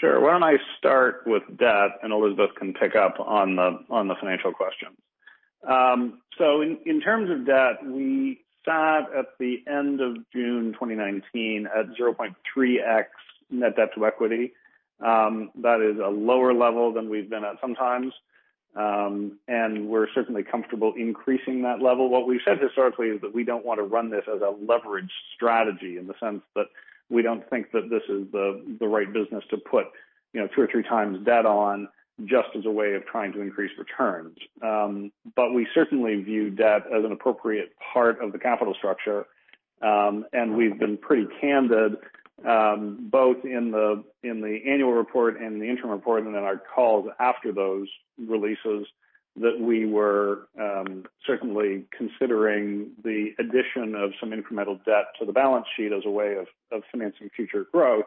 Sure. Why don't I start with debt. Elizabeth can pick up on the financial questions. In terms of debt, we sat at the end of June 2019 at 0.3x net debt to equity. That is a lower level than we've been at sometimes. We're certainly comfortable increasing that level. What we've said historically is that we don't want to run this as a leverage strategy in the sense that we don't think that this is the right business to put two or three times debt on just as a way of trying to increase returns. We certainly view debt as an appropriate part of the capital structure. We've been pretty candid, both in the annual report and the interim report and then our calls after those releases, that we were certainly considering the addition of some incremental debt to the balance sheet as a way of financing future growth.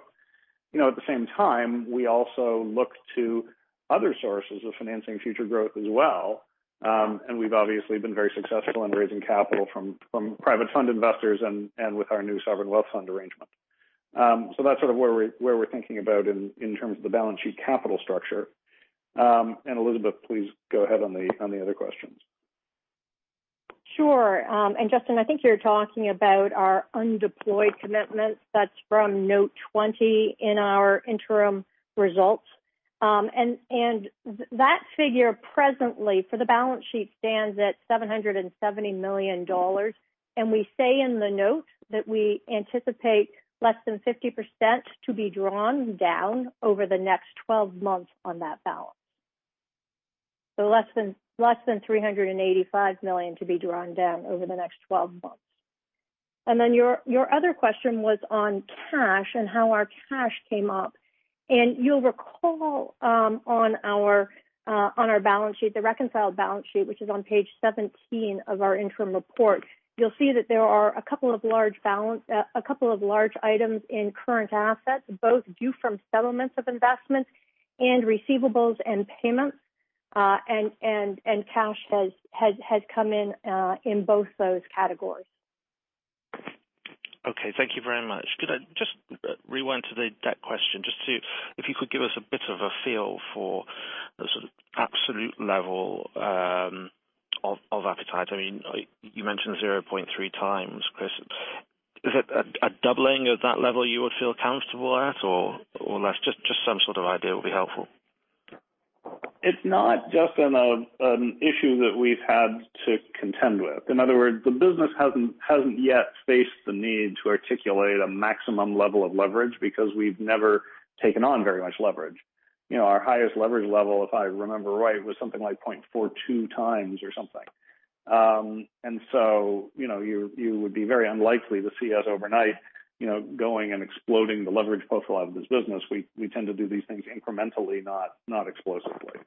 At the same time, we also look to other sources of financing future growth as well. We've obviously been very successful in raising capital from private fund investors and with our new Sovereign Wealth Fund arrangement. That's sort of where we're thinking about in terms of the balance sheet capital structure. Elizabeth, please go ahead on the other questions. Sure. Justin, I think you're talking about our undeployed commitments. That's from note 20 in our interim results. That figure presently for the balance sheet stands at $770 million. We say in the note that we anticipate less than 50% to be drawn down over the next 12 months on that balance. Less than $385 million to be drawn down over the next 12 months. Your other question was on cash and how our cash came up. You'll recall on our balance sheet, the reconciled balance sheet, which is on page 17 of our interim report, you'll see that there are a couple of large items in current assets, both due from settlements of investments and receivables and payments, and cash has come in in both those categories. Okay. Thank you very much. Could I just rewind to the debt question, just if you could give us a bit of a feel for the sort of absolute level of appetite? I mean, you mentioned 0.3 times, Chris. Is it a doubling of that level you would feel comfortable at or less? Just some sort of idea will be helpful. It's not, Justin, an issue that we've had to contend with. In other words, the business hasn't yet faced the need to articulate a maximum level of leverage because we've never taken on very much leverage. Our highest leverage level, if I remember right, was something like 0.42 times or something. You would be very unlikely to see us overnight going and exploding the leverage profile of this business. We tend to do these things incrementally, not explosively.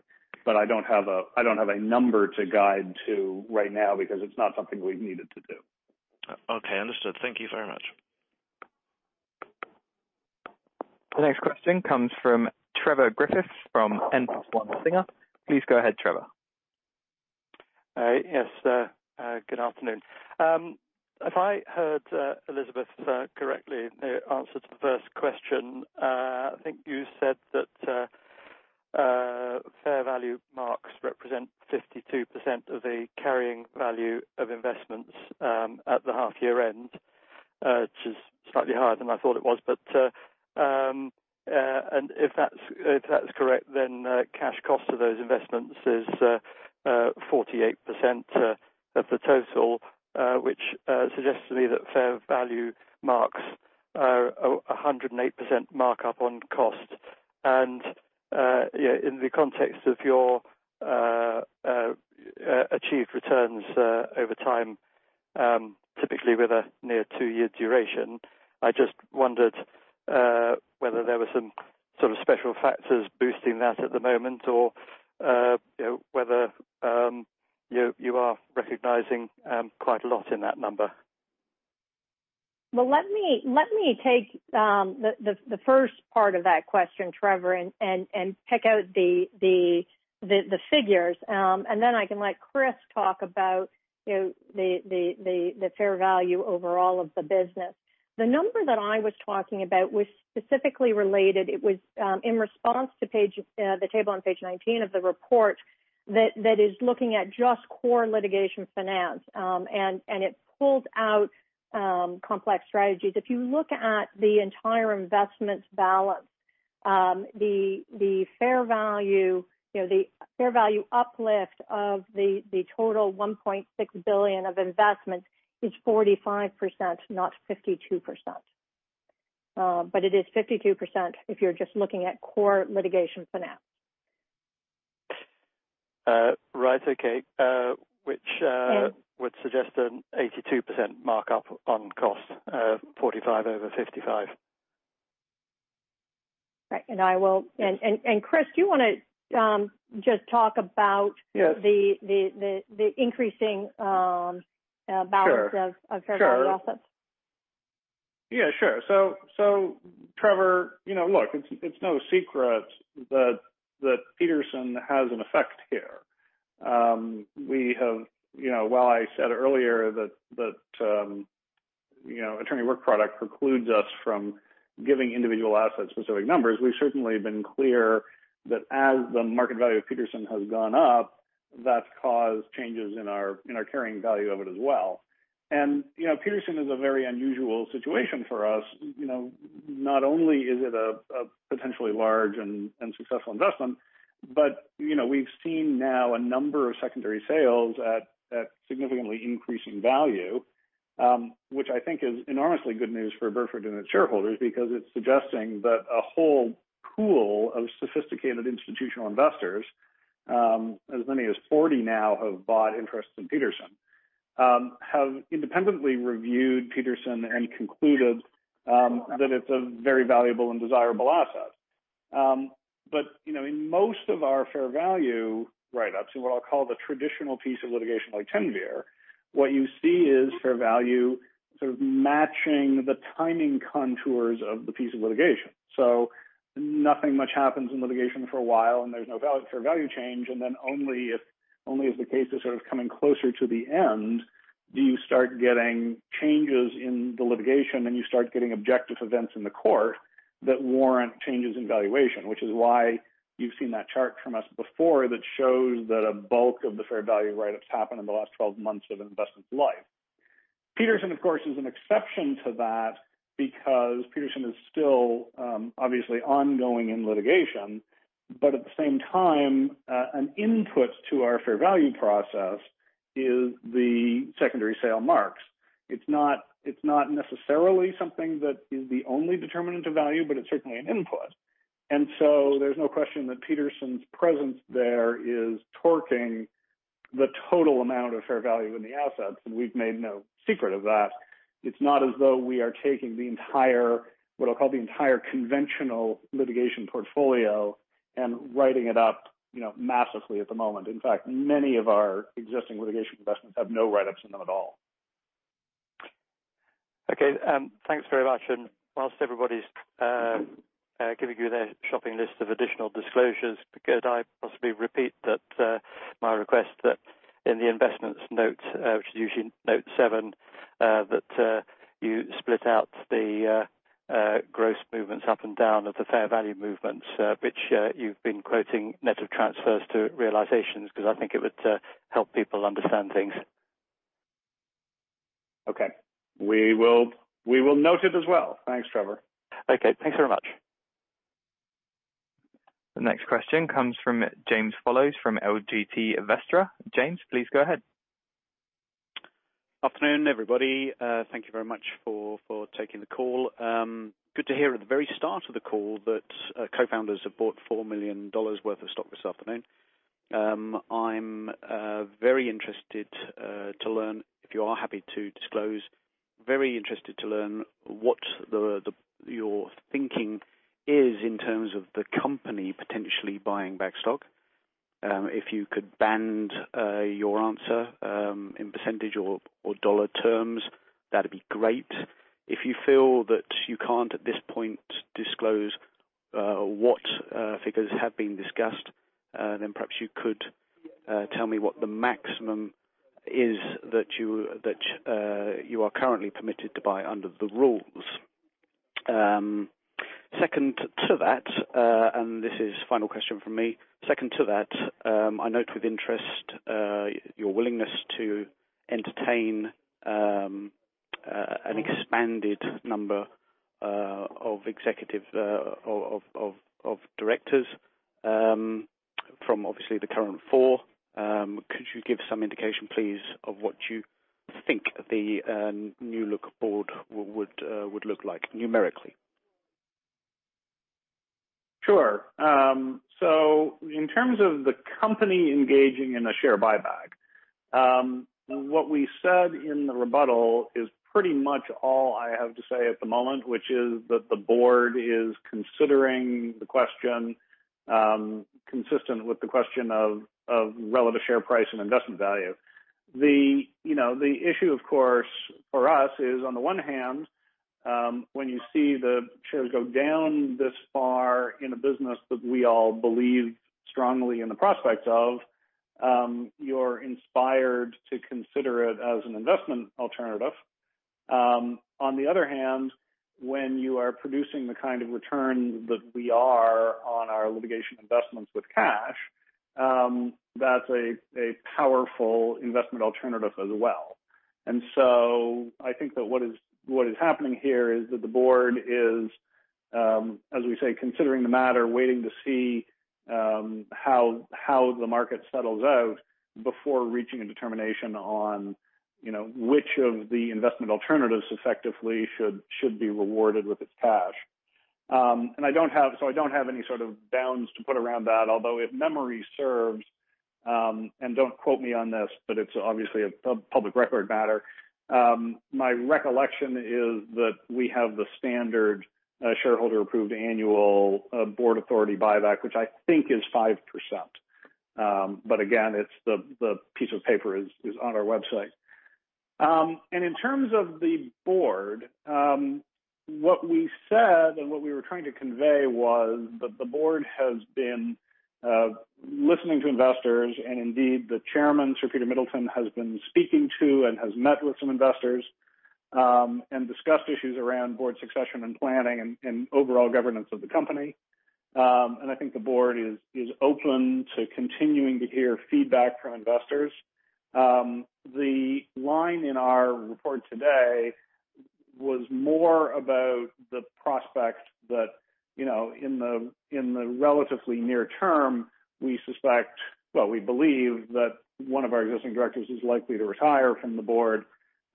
I don't have a number to guide to right now because it's not something we've needed to do. Okay, understood. Thank you very much. The next question comes from Trevor Griffiths from Singer Capital Markets. Please go ahead, Trevor. Yes, good afternoon. If I heard Elizabeth correctly answer to the first question, I think you said that fair value marks represent 52% of the carrying value of investments at the half year end, which is slightly higher than I thought it was. If that's correct, then cash cost of those investments is 48% of the total which suggests to me that fair value marks are 108% markup on cost. In the context of your achieved returns over time, typically with a near two-year duration, I just wondered whether there were some sort of special factors boosting that at the moment or whether you are recognizing quite a lot in that number. Well, let me take the first part of that question, Trevor, then pick out the figures. Then I can let Chris talk about the fair value overall of the business. The number that I was talking about was specifically related. It was in response to the table on page 19 of the report that is looking at just core litigation finance, and it pulls out complex strategies. If you look at the entire investments balance, the fair value uplift of the total $1.6 billion of investments is 45%, not 52%. It is 52% if you're just looking at core litigation finance. Right. Okay. Yeah would suggest an 82% markup on cost, 45 over 55. Right. Chris, do you want to just talk about- Yes the increasing- Sure balance of fair value assets? Yeah, sure. Trevor, look, it's no secret that Petersen has an effect here. While I said earlier that attorney-work product precludes us from giving individual asset-specific numbers, we've certainly been clear that as the market value of Petersen has gone up, that's caused changes in our carrying value of it as well. Petersen is a very unusual situation for us. Not only is it a potentially large and successful investment, but we've seen now a number of secondary sales at significantly increasing value, which I think is enormously good news for Burford and its shareholders because it's suggesting that a whole pool of sophisticated institutional investors, as many as 40 now have bought interests in Petersen, have independently reviewed Petersen and concluded that it's a very valuable and desirable asset. In most of our fair value write-ups, in what I'll call the traditional piece of litigation like Teinver, what you see is fair value sort of matching the timing contours of the piece of litigation. Nothing much happens in litigation for a while, and there's no fair value change, and then only as the case is sort of coming closer to the end, do you start getting changes in the litigation, and you start getting objective events in the court that warrant changes in valuation. Which is why you've seen that chart from us before that shows that a bulk of the fair value write-ups happened in the last 12 months of an investment's life. Petersen, of course, is an exception to that because Petersen is still obviously ongoing in litigation. At the same time, an input to our fair value process is the secondary sale marks. It's not necessarily something that is the only determinant of value, but it's certainly an input. There's no question that Petersen's presence there is torquing the total amount of fair value in the assets, and we've made no secret of that. It's not as though we are taking what I'll call the entire conventional litigation portfolio and writing it up massively at the moment. In fact, many of our existing litigation investments have no write-ups in them at all. Okay. Thanks very much. Whilst everybody's giving you their shopping list of additional disclosures, could I possibly repeat my request that in the investments note, which is usually note seven, that you split out the gross movements up and down of the fair value movements, which you've been quoting net of transfers to realizations, because I think it would help people understand things. Okay. We will note it as well. Thanks, Trevor. Okay. Thanks very much. The next question comes from James Follows from LGT Vestra. James, please go ahead. Afternoon, everybody. Thank you very much for taking the call. Good to hear at the very start of the call that co-founders have bought $4 million worth of stock this afternoon. I'm very interested to learn, if you are happy to disclose, very interested to learn what your thinking is in terms of the company potentially buying back stock. If you could bound your answer, in % or dollar terms, that'd be great. If you feel that you can't, at this point, disclose what figures have been discussed, perhaps you could tell me what the maximum is that you are currently permitted to buy under the rules. Second to that, this is final question from me. Second to that, I note with interest your willingness to entertain an expanded number of executive of directors from obviously the current four. Could you give some indication, please, of what you think the new look board would look like numerically? Sure. In terms of the company engaging in a share buyback, what we said in the rebuttal is pretty much all I have to say at the moment, which is that the board is considering the question, consistent with the question of relevant share price and investment value. The issue of course for us is on the one hand, when you see the shares go down this far in a business that we all believe strongly in the prospects of, you're inspired to consider it as an investment alternative. On the other hand, when you are producing the kind of return that we are on our litigation investments with cash, that's a powerful investment alternative as well. I think that what is happening here is that the board is, as we say, considering the matter, waiting to see how the market settles out before reaching a determination on which of the investment alternatives effectively should be rewarded with its cash. I don't have any sort of bounds to put around that, although if memory serves, and don't quote me on this, but it's obviously a public record matter. My recollection is that we have the standard shareholder-approved annual board authority buyback, which I think is 5%. Again, the piece of paper is on our website. In terms of the board, what we said and what we were trying to convey was that the board has been listening to investors, indeed, the Chairman, Sir Peter Middleton, has been speaking to and has met with some investors and discussed issues around board succession and planning and overall governance of the company. I think the board is open to continuing to hear feedback from investors. The line in our report today was more about the prospect that in the relatively near term, we suspect, well, we believe that one of our existing directors is likely to retire from the board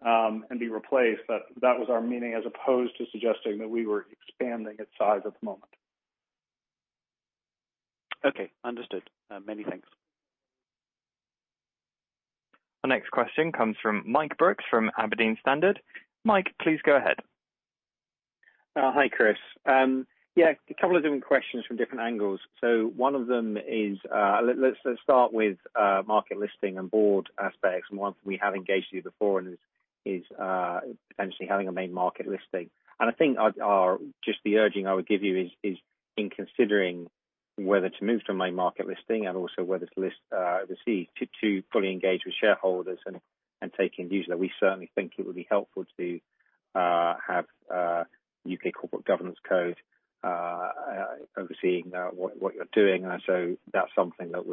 and be replaced. That was our meaning as opposed to suggesting that we were expanding its size at the moment. Okay. Understood. Many thanks. Our next question comes from Mike Brooks from Aberdeen Standard. Mike, please go ahead. Hi, Chris. Yeah, a couple of different questions from different angles. One of them is, let's start with market listing and board aspects, and one we have engaged you before and is potentially having a main market listing. I think just the urging I would give you is in considering whether to move to a main market listing and also whether to list overseas to fully engage with shareholders and take in views that we certainly think it would be helpful to have U.K. Corporate Governance Code overseeing what you're doing. That's something that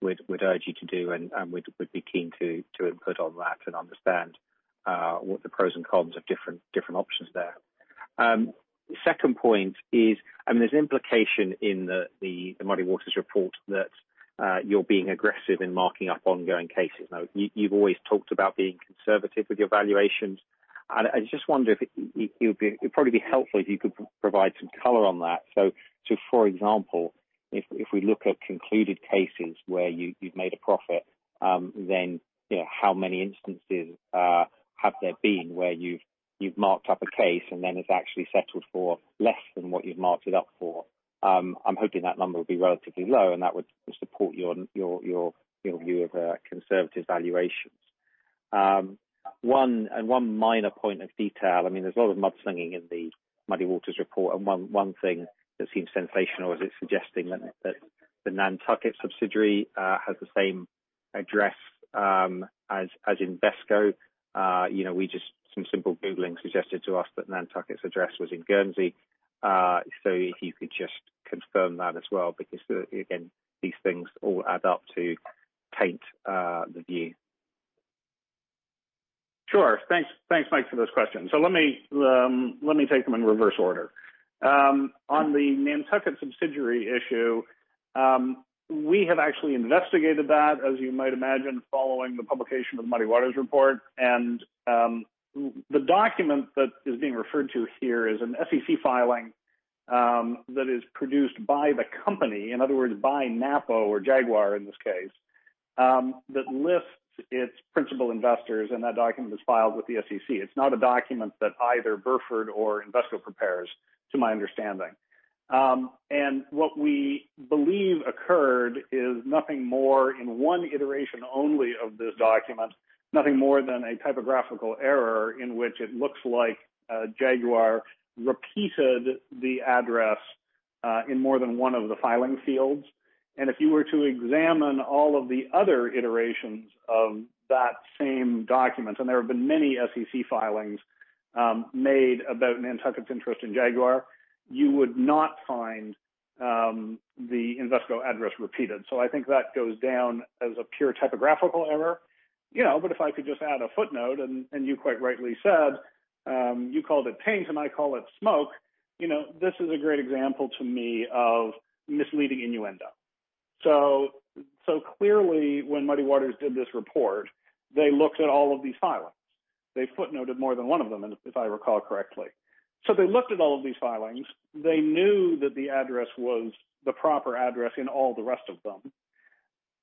we'd urge you to do and we'd be keen to input on that and understand what the pros and cons of different options there. Second point is, there's implication in the Muddy Waters report that you're being aggressive in marking up ongoing cases. You've always talked about being conservative with your valuations. I just wonder if it would probably be helpful if you could provide some color on that. For example, if we look at concluded cases where you've made a profit, then how many instances have there been where you've marked up a case and then it's actually settled for less than what you've marked it up for? I'm hoping that number would be relatively low, that would support your view of conservative valuations. One minor point of detail, there's a lot of mudslinging in the Muddy Waters report, one thing that seems sensational is it's suggesting that the Nantucket subsidiary has the same address as Invesco. Some simple googling suggested to us that Nantucket's address was in Guernsey. If you could just confirm that as well, because again, these things all add up to paint the view. Sure. Thanks, Mike, for those questions. Let me take them in reverse order. On the Nantucket subsidiary issue, we have actually investigated that, as you might imagine, following the publication of the Muddy Waters report. The document that is being referred to here is an SEC filing that is produced by the company, in other words, by Napo or Jaguar in this case, that lists its principal investors, and that document is filed with the SEC. It's not a document that either Burford or Invesco prepares, to my understanding. What we believe occurred is nothing more in one iteration only of this document, nothing more than a typographical error in which it looks like Jaguar repeated the address in more than one of the filing fields. If you were to examine all of the other iterations of that same document, and there have been many SEC filings made about Nantucket's interest in Jaguar, you would not find the Invesco address repeated. I think that goes down as a pure typographical error. If I could just add a footnote, and you quite rightly said, you called it paint, and I call it smoke. This is a great example to me of misleading innuendo. Clearly when Muddy Waters did this report, they looked at all of these filings. They footnoted more than one of them, if I recall correctly. They looked at all of these filings. They knew that the address was the proper address in all the rest of them.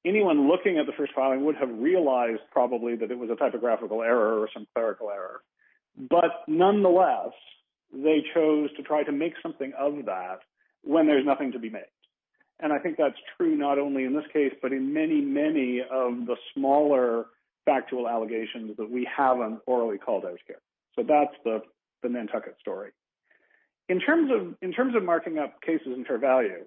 Anyone looking at the first filing would have realized probably that it was a typographical error or some clerical error. Nonetheless, they chose to try to make something of that when there's nothing to be made. I think that's true not only in this case but in many of the smaller factual allegations that we haven't orally called out here. That's the Nantucket story. In terms of marking up cases and fair value.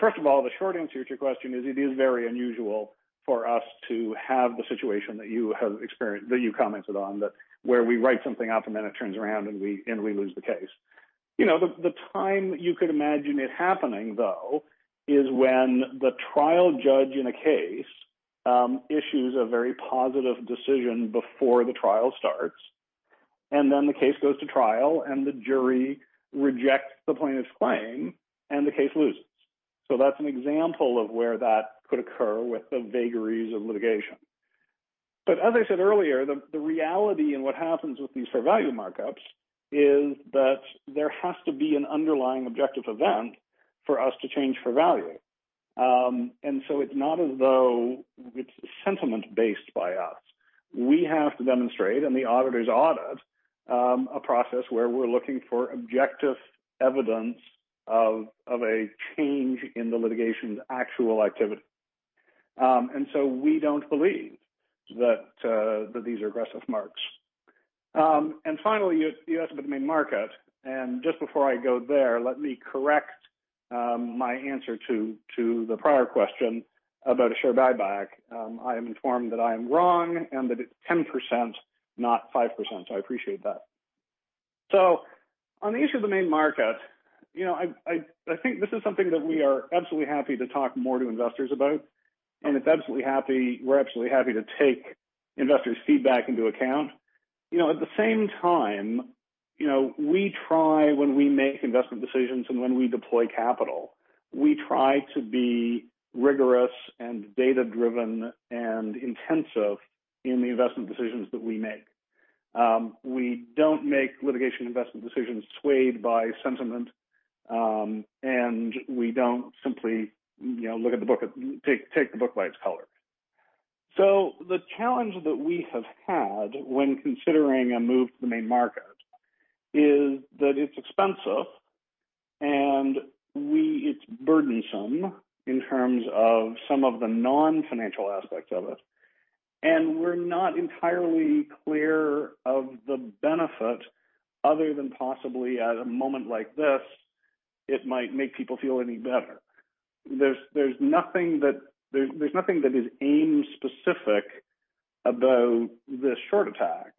First of all, the short answer to your question is it is very unusual for us to have the situation that you have experienced, that you commented on, that where we write something off and then it turns around and we lose the case. The time you could imagine it happening, though, is when the trial judge in a case issues a very positive decision before the trial starts, and then the case goes to trial, and the jury rejects the plaintiff's claim, and the case loses. That's an example of where that could occur with the vagaries of litigation. As I said earlier, the reality and what happens with these fair value markups is that there has to be an underlying objective event for us to change fair value. It's not as though it's sentiment based by us. We have to demonstrate, and the auditors audit, a process where we're looking for objective evidence of a change in the litigation's actual activity. We don't believe that these are aggressive marks. Finally, you asked about the main market. Just before I go there, let me correct my answer to the prior question about a share buyback. I am informed that I am wrong and that it's 10%, not 5%. I appreciate that. On the issue of the main market, I think this is something that we are absolutely happy to talk more to investors about. We're absolutely happy to take investors' feedback into account. At the same time, we try when we make investment decisions and when we deploy capital, we try to be rigorous and data-driven and intensive in the investment decisions that we make. We don't make litigation investment decisions swayed by sentiment. We don't simply take the book by its color. The challenge that we have had when considering a move to the main market is that it's expensive, and it's burdensome in terms of some of the non-financial aspects of it. We're not entirely clear of the benefit other than possibly at a moment like this, it might make people feel any better. There's nothing that is AIM specific about this short attack.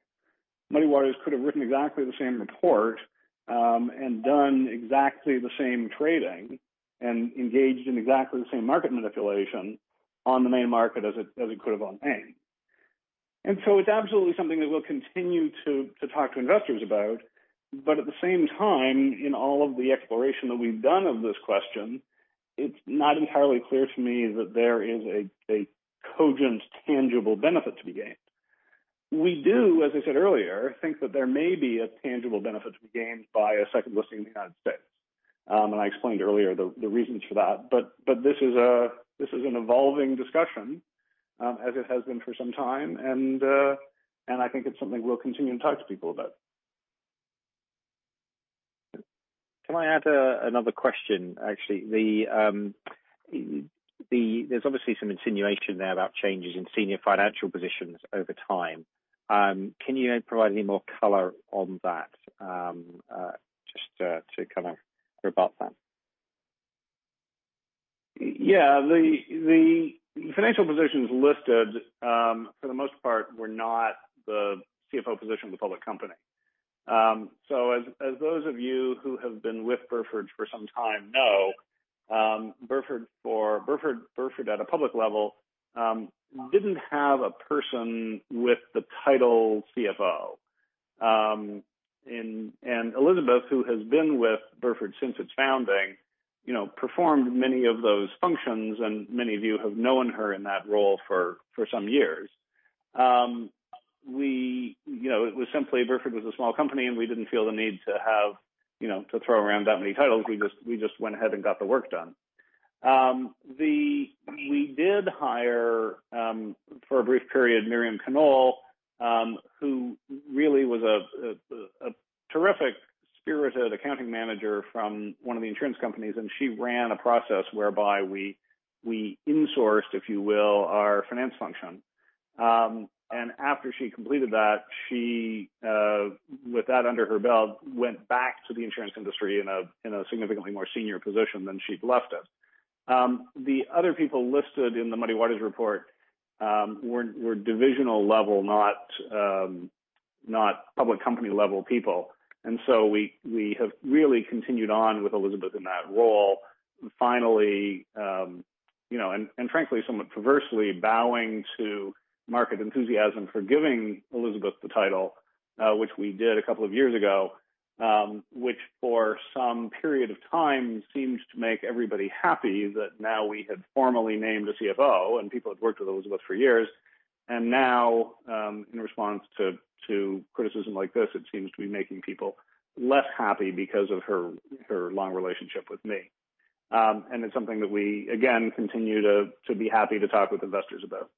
Muddy Waters could have written exactly the same report and done exactly the same trading and engaged in exactly the same market manipulation on the main market as it could have on AIM. It's absolutely something that we'll continue to talk to investors about. At the same time, in all of the exploration that we've done of this question, it's not entirely clear to me that there is a cogent, tangible benefit to be gained. We do, as I said earlier, think that there may be a tangible benefit to be gained by a second listing in the United States. I explained earlier the reasons for that. This is an evolving discussion as it has been for some time. I think it's something we'll continue to talk to people about. Can I add another question? Actually, there's obviously some insinuation there about changes in senior financial positions over time. Can you provide any more color on that just to kind of rebut that? Yeah. The financial positions listed for the most part were not the CFO position of the public company. As those of you who have been with Burford for some time know, Burford at a public level didn't have a person with the title CFO. Elizabeth, who has been with Burford since its founding, performed many of those functions, and many of you have known her in that role for some years. It was simply Burford was a small company, and we didn't feel the need to throw around that many titles. We just went ahead and got the work done. We did hire, for a brief period, Miriam Knoll, who really was a terrific spirited accounting manager from one of the insurance companies, and she ran a process whereby we insourced, if you will, our finance function. After she completed that, with that under her belt, went back to the insurance industry in a significantly more senior position than she'd left it. The other people listed in the Muddy Waters report were divisional level, not public company level people. We have really continued on with Elizabeth in that role. Finally, and frankly, somewhat perversely bowing to market enthusiasm for giving Elizabeth the title, which we did a couple of years ago, which for some period of time seemed to make everybody happy that now we had formally named a CFO, and people had worked with Elizabeth for years. Now, in response to criticism like this, it seems to be making people less happy because of her long relationship with me. It's something that we, again, continue to be happy to talk with investors about.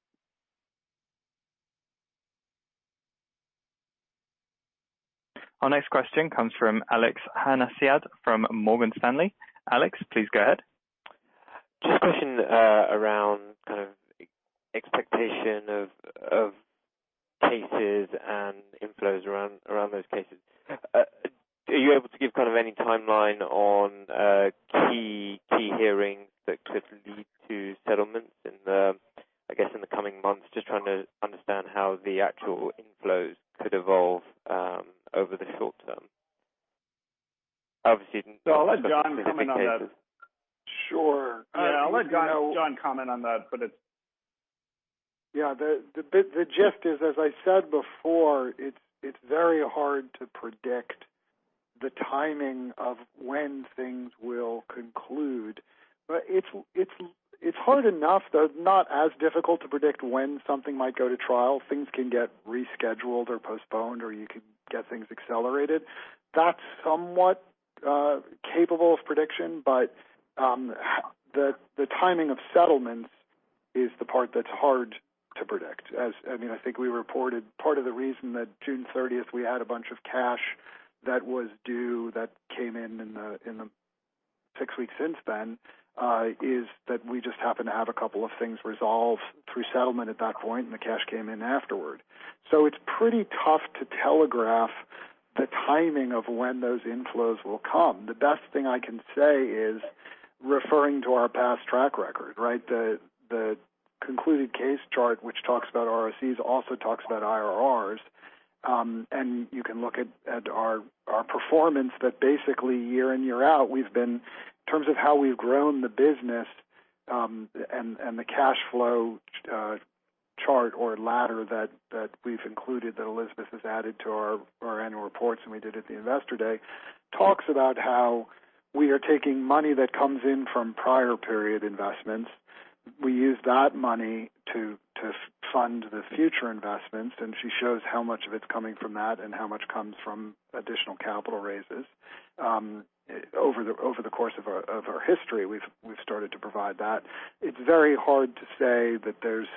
Our next question comes from Alex Sherwood from Morgan Stanley. Alex, please go ahead. Just a question around kind of expectation of cases and inflows around those cases. Are you able to give kind of any timeline on key hearings that could lead to settlements in the coming months? Just trying to understand how the actual inflows could evolve over the short term. I'll let John comment on that. Sure. I'll let John comment on that. The gist is, as I said before, it's very hard to predict the timing of when things will conclude. It's hard enough, though not as difficult to predict when something might go to trial. Things can get rescheduled or postponed, or you could get things accelerated. That's somewhat capable of prediction, but the timing of settlements is the part that's hard to predict. As I think we reported part of the reason that June 30th, we had a bunch of cash that was due, that came in the six weeks since then, is that we just happened to have a couple of things resolved through settlement at that point, and the cash came in afterward. It's pretty tough to telegraph the timing of when those inflows will come. The best thing I can say is referring to our past track record, right? The concluded case chart, which talks about ROIC, also talks about IRR. You can look at our performance that basically year in, year out, we've been, in terms of how we've grown the business, and the cash flow chart or ladder that we've included, that Elizabeth has added to our annual reports, and we did at the investor day, talks about how we are taking money that comes in from prior period investments. We use that money to fund the future investments, and she shows how much of it's coming from that and how much comes from additional capital raises. Over the course of our history, we've started to provide that. It's very hard to say that there's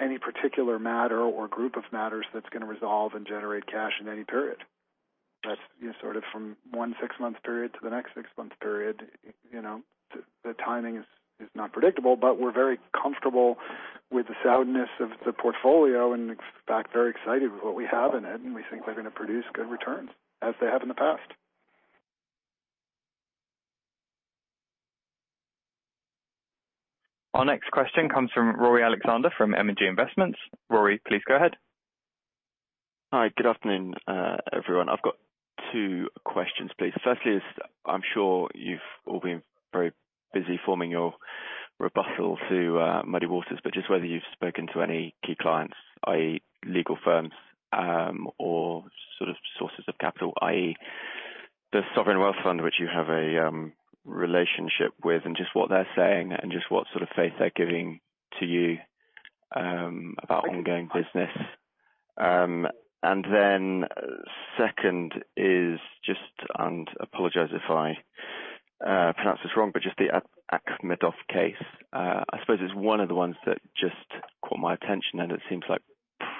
any particular matter or group of matters that's going to resolve and generate cash in any period. That's sort of from one 6-month period to the next 6-month period. The timing is not predictable, but we're very comfortable with the soundness of the portfolio, and in fact, very excited with what we have in it, and we think they're going to produce good returns, as they have in the past. Our next question comes from Rory Alexander from M&G Investments. Rory, please go ahead. Hi. Good afternoon, everyone. I've got two questions, please. Firstly is, I'm sure you've all been very busy forming your rebuttal to Muddy Waters, but just whether you've spoken to any key clients, i.e., legal firms, or sources of capital, i.e., the Sovereign Wealth Fund, which you have a relationship with, and just what they're saying and just what sort of faith they're giving to you about ongoing business. Then second is just, and apologize if I pronounce this wrong, but just the Akhmedov case. I suppose it's one of the ones that just caught my attention, and it seems like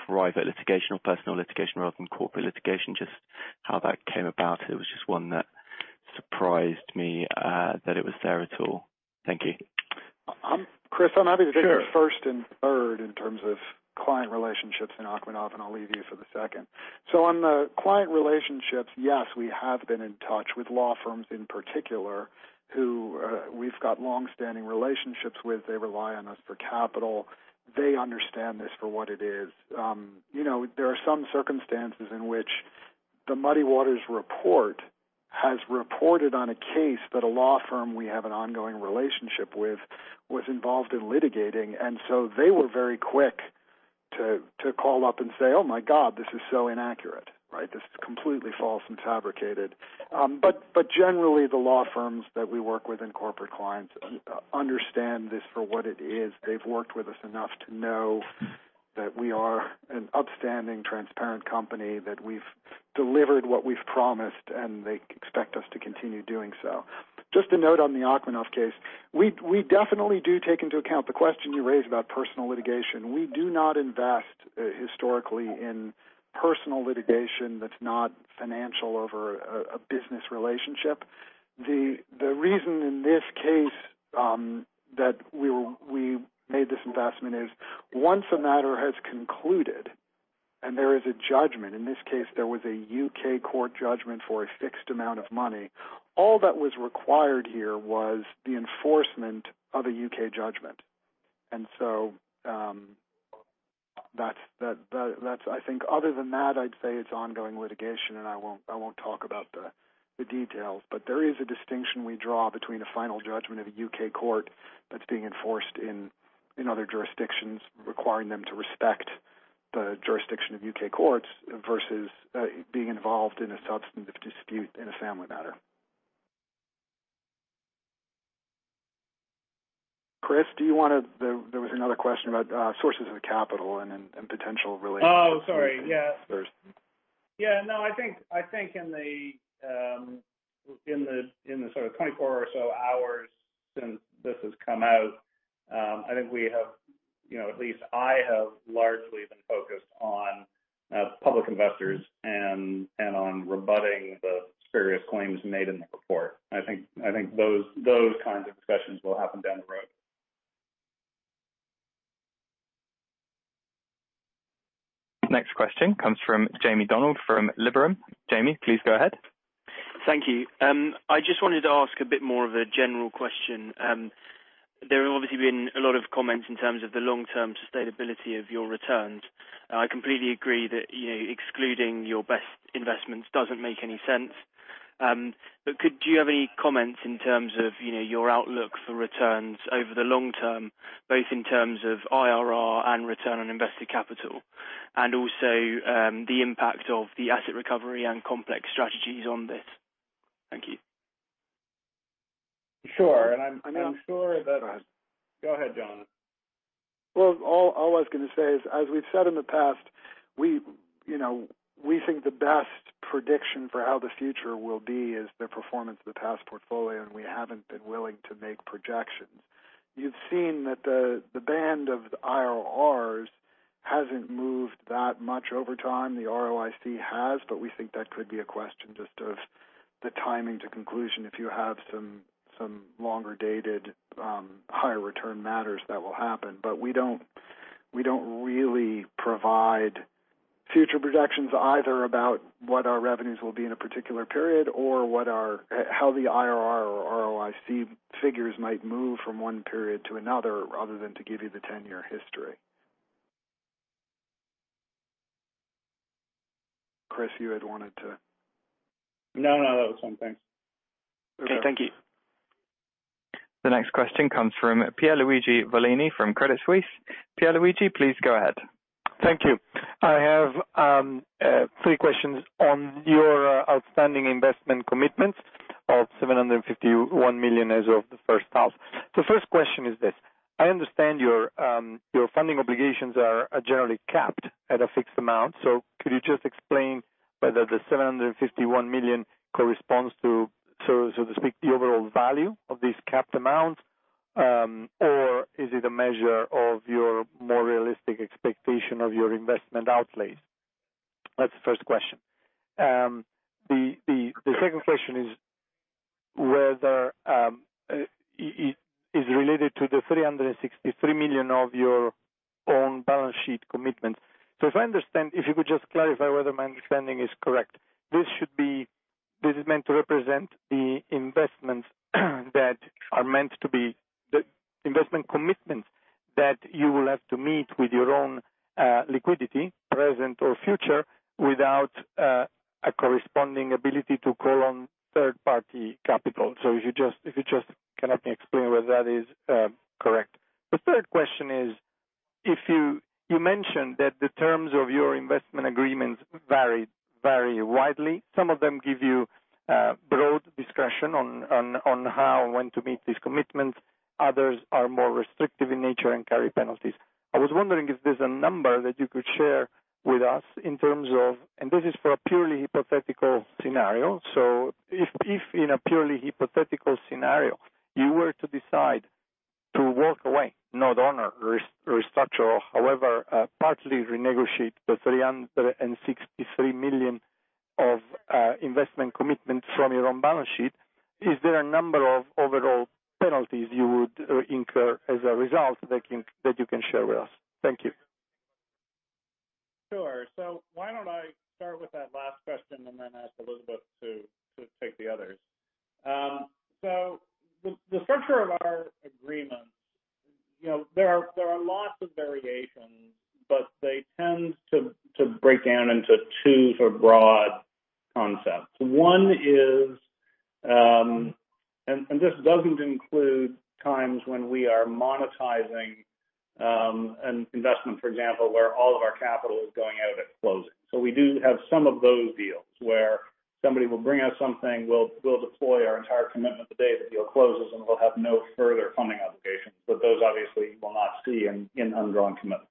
private litigation or personal litigation rather than corporate litigation, just how that came about. It was just one that surprised me that it was there at all. Thank you. Chris, take the first and third in terms of client relationships in Akhmedov, and I'll leave you for the second. On the client relationships, yes, we have been in touch with law firms in particular who we've got longstanding relationships with. They rely on us for capital. They understand this for what it is. There are some circumstances in which the Muddy Waters report has reported on a case that a law firm we have an ongoing relationship with was involved in litigating. They were very quick to call up and say, "Oh my God, this is so inaccurate." Right. "This is completely false and fabricated." Generally, the law firms that we work with and corporate clients understand this for what it is. They've worked with us enough to know that we are an upstanding, transparent company, that we've delivered what we've promised, and they expect us to continue doing so. Just a note on the Akhmedov case. We definitely do take into account the question you raised about personal litigation. We do not invest historically in personal litigation that's not financial over a business relationship. The reason in this case. That we made this investment is once a matter has concluded and there is a judgment, in this case, there was a U.K. court judgment for a fixed amount of money. All that was required here was the enforcement of a U.K. judgment. I think other than that, I'd say it's ongoing litigation, and I won't talk about the details. There is a distinction we draw between a final judgment of a U.K. court that's being enforced in other jurisdictions, requiring them to respect the jurisdiction of U.K. courts versus being involved in a substantive dispute in a family matter. Chris, there was another question about sources of capital and potential relations. Oh, sorry. Yeah. -with investors. Yeah, no, I think in the sort of 24 or so hours since this has come out, I think we have, at least I have largely been focused on public investors and on rebutting the spurious claims made in the report. I think those kinds of discussions will happen down the road. Next question comes from Jamie Donald from Liberum. Jamie, please go ahead. Thank you. I just wanted to ask a bit more of a general question. There have obviously been a lot of comments in terms of the long-term sustainability of your returns. I completely agree that excluding your best investments doesn't make any sense. Do you have any comments in terms of your outlook for returns over the long term, both in terms of IRR and return on invested capital, and also the impact of the asset recovery and complex strategies on this? Thank you. Sure. And I'm- Go ahead, John. Well, all I was going to say is, as we've said in the past, we think the best prediction for how the future will be is the performance of the past portfolio, and we haven't been willing to make projections. You've seen that the band of the IRRs hasn't moved that much over time. The ROIC has. We think that could be a question just of the timing to conclusion. If you have some longer-dated higher return matters, that will happen. We don't really provide future projections either about what our revenues will be in a particular period or how the IRR or ROIC figures might move from one period to another other than to give you the 10-year history. Chris, you had wanted to. No, that was something. Okay, thank you. The next question comes from Pierluigi Vallini from Credit Suisse. Pierluigi, please go ahead. Thank you. I have three questions on your outstanding investment commitments of $751 million as of the first half. The first question is this. I understand your funding obligations are generally capped at a fixed amount. Could you just explain whether the $751 million corresponds to, so to speak, the overall value of these capped amounts? Or is it a measure of your more realistic expectation of your investment outlays? That's the first question. The second question is related to the $363 million of your own balance sheet commitments. If I understand, if you could just clarify whether my understanding is correct. This is meant to represent the investments that are meant to be the investment commitments that you will have to meet with your own liquidity, present or future, without a corresponding ability to call on third-party capital. If you just can help me explain whether that is correct. The third question is, you mentioned that the terms of your investment agreements vary widely. Some of them give you broad discussion on how and when to meet these commitments. Others are more restrictive in nature and carry penalties. I was wondering if there's a number that you could share with us in terms of, and this is for a purely hypothetical scenario. If in a purely hypothetical scenario, you were to decide to walk away, not honor, restructure, or however, partly renegotiate the $363 million of investment commitments from your own balance sheet, is there a number of overall penalties you would incur as a result that you can share with us? Thank you. Sure. Why don't I start with that last question and then ask Elizabeth to take the others. The structure of our agreements, there are lots of variations, but they tend to break down into two sort of broad concepts. One is, and this doesn't include times when we are monetizing an investment, for example, where all of our capital is going out at closing. We do have some of those deals where somebody will bring us something, we'll deploy our entire commitment the day the deal closes, and we'll have no further funding obligations. Those obviously you will not see in undrawn commitments.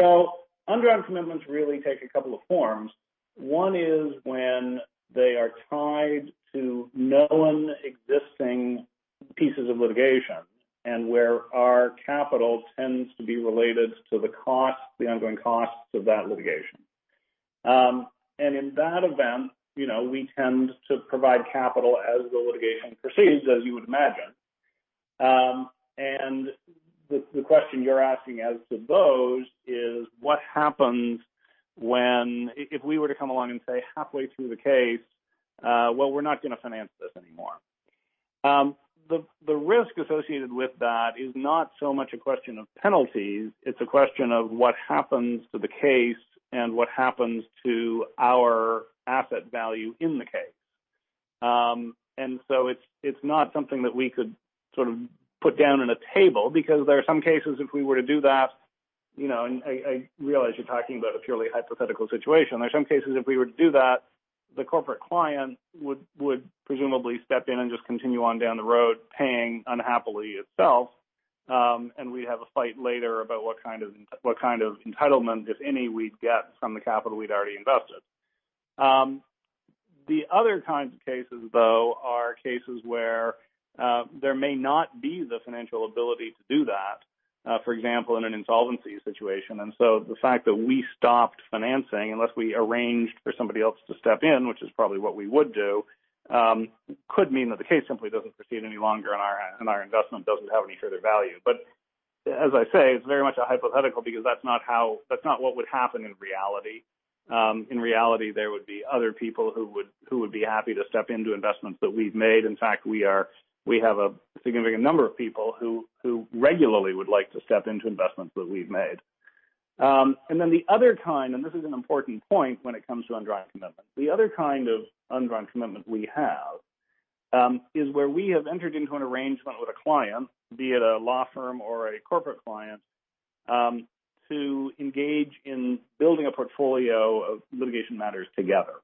Undrawn commitments really take a couple of forms. One is when they are tied to known existing pieces of litigation and where our capital tends to be related to the ongoing costs of that litigation. In that event, we tend to provide capital as the litigation proceeds, as you would imagine. The question you're asking as to those is what happens when, if we were to come along and say halfway through the case, "Well, we're not going to finance this anymore." The risk associated with that is not so much a question of penalties. It's a question of what happens to the case and what happens to our asset value in the case. So it's not something that we could sort of put down in a table, because there are some cases if we were to do that, and I realize you're talking about a purely hypothetical situation. There are some cases, if we were to do that, the corporate client would presumably step in and just continue on down the road paying unhappily itself, and we have a fight later about what kind of entitlement, if any, we'd get from the capital we'd already invested. The other kinds of cases, though, are cases where there may not be the financial ability to do that, for example, in an insolvency situation. The fact that we stopped financing, unless we arranged for somebody else to step in, which is probably what we would do, could mean that the case simply doesn't proceed any longer and our investment doesn't have any further value. As I say, it's very much a hypothetical because that's not what would happen in reality. In reality, there would be other people who would be happy to step into investments that we've made. In fact, we have a significant number of people who regularly would like to step into investments that we've made. The other kind, and this is an important point when it comes to undrawn commitments. The other kind of undrawn commitment we have is where we have entered into an arrangement with a client, be it a law firm or a corporate client, to engage in building a portfolio of litigation matters together.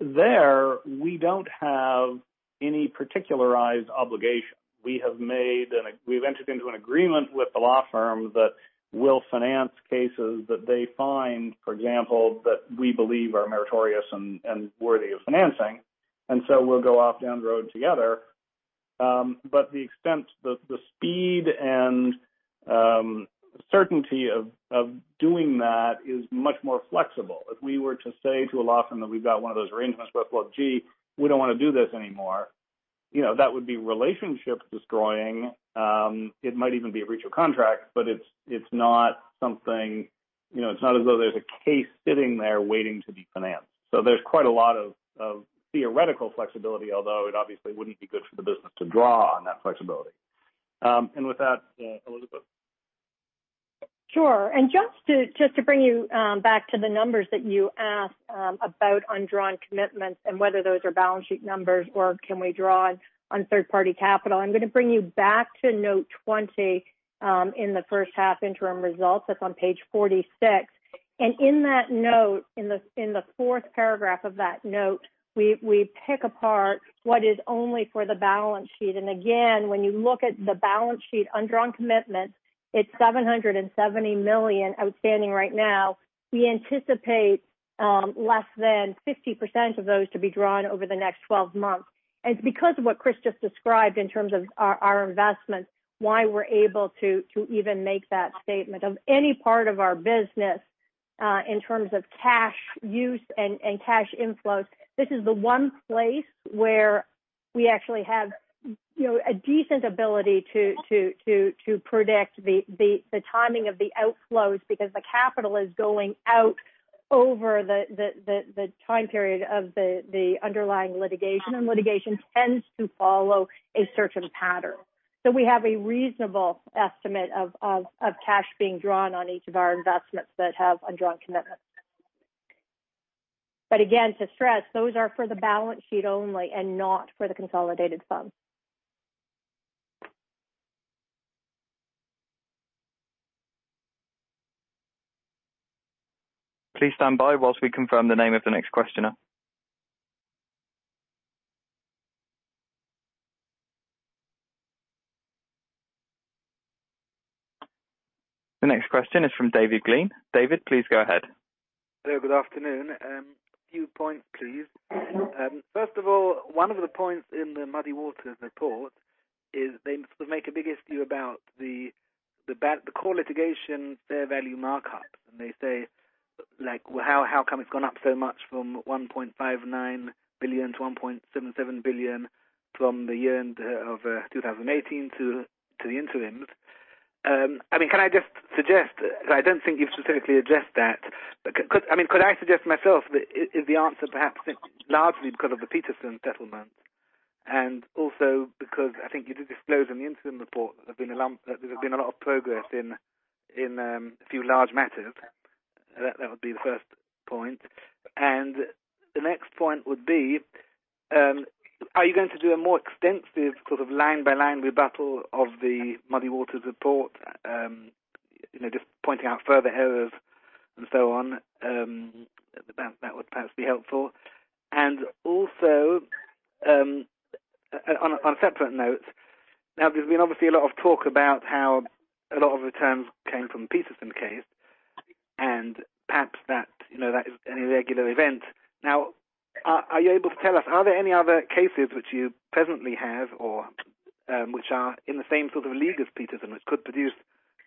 There we don't have any particularized obligations. We've entered into an agreement with the law firm that will finance cases that they find, for example, that we believe are meritorious and worthy of financing. So we'll go off down the road together. The extent, the speed and certainty of doing that is much more flexible. If we were to say to a law firm that we've got one of those arrangements with, "Well, gee, we don't want to do this anymore." That would be relationship destroying. It might even be a breach of contract, but it's not as though there's a case sitting there waiting to be financed. There's quite a lot of theoretical flexibility, although it obviously wouldn't be good for the business to draw on that flexibility. With that, Elizabeth. Sure. Just to bring you back to the numbers that you asked about undrawn commitments and whether those are balance sheet numbers or can we draw on third-party capital. I'm going to bring you back to note 20 in the first half interim results. That's on page 46. In the fourth paragraph of that note, we pick apart what is only for the balance sheet. Again, when you look at the balance sheet undrawn commitments, it's $770 million outstanding right now. We anticipate less than 50% of those to be drawn over the next 12 months. It's because of what Chris just described in terms of our investments, why we're able to even make that statement. Of any part of our business, in terms of cash use and cash inflows, this is the one place where we actually have a decent ability to predict the timing of the outflows because the capital is going out over the time period of the underlying litigation, and litigation tends to follow a certain pattern. We have a reasonable estimate of cash being drawn on each of our investments that have undrawn commitments. Again, to stress, those are for the balance sheet only and not for the consolidated funds. Please stand by while we confirm the name of the next questioner. The next question is from David Glean. David, please go ahead. Hello, good afternoon. A few points, please. First of all, one of the points in the Muddy Waters report is they make a big issue about the core litigation fair value markup, and they say, how come it's gone up so much from $1.59 billion to $1.77 billion from the year-end of 2018 to the interims? Can I just suggest, because I don't think you've specifically addressed that, could I suggest myself that is the answer perhaps largely because of the Petersen settlement and also because I think you did disclose in the interim report that there's been a lot of progress in a few large matters. That would be the first point. The next point would be, are you going to do a more extensive sort of line-by-line rebuttal of the Muddy Waters report, just pointing out further errors and so on? That would perhaps be helpful. Also, on a separate note, now there's been obviously a lot of talk about how a lot of the terms came from the Petersen case, and perhaps that is an irregular event. Are you able to tell us, are there any other cases which you presently have or which are in the same sort of league as Petersen, which could produce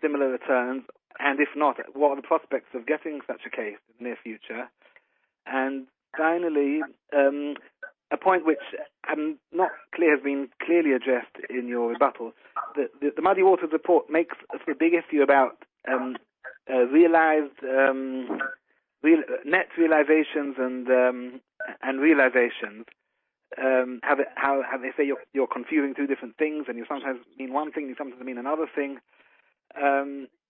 similar returns? If not, what are the prospects of getting such a case in the near future? Finally, a point which not clear has been clearly addressed in your rebuttal, the Muddy Waters report makes a big issue about net realizations and realizations. How they say you're confusing two different things, and you sometimes mean one thing, and you sometimes mean another thing.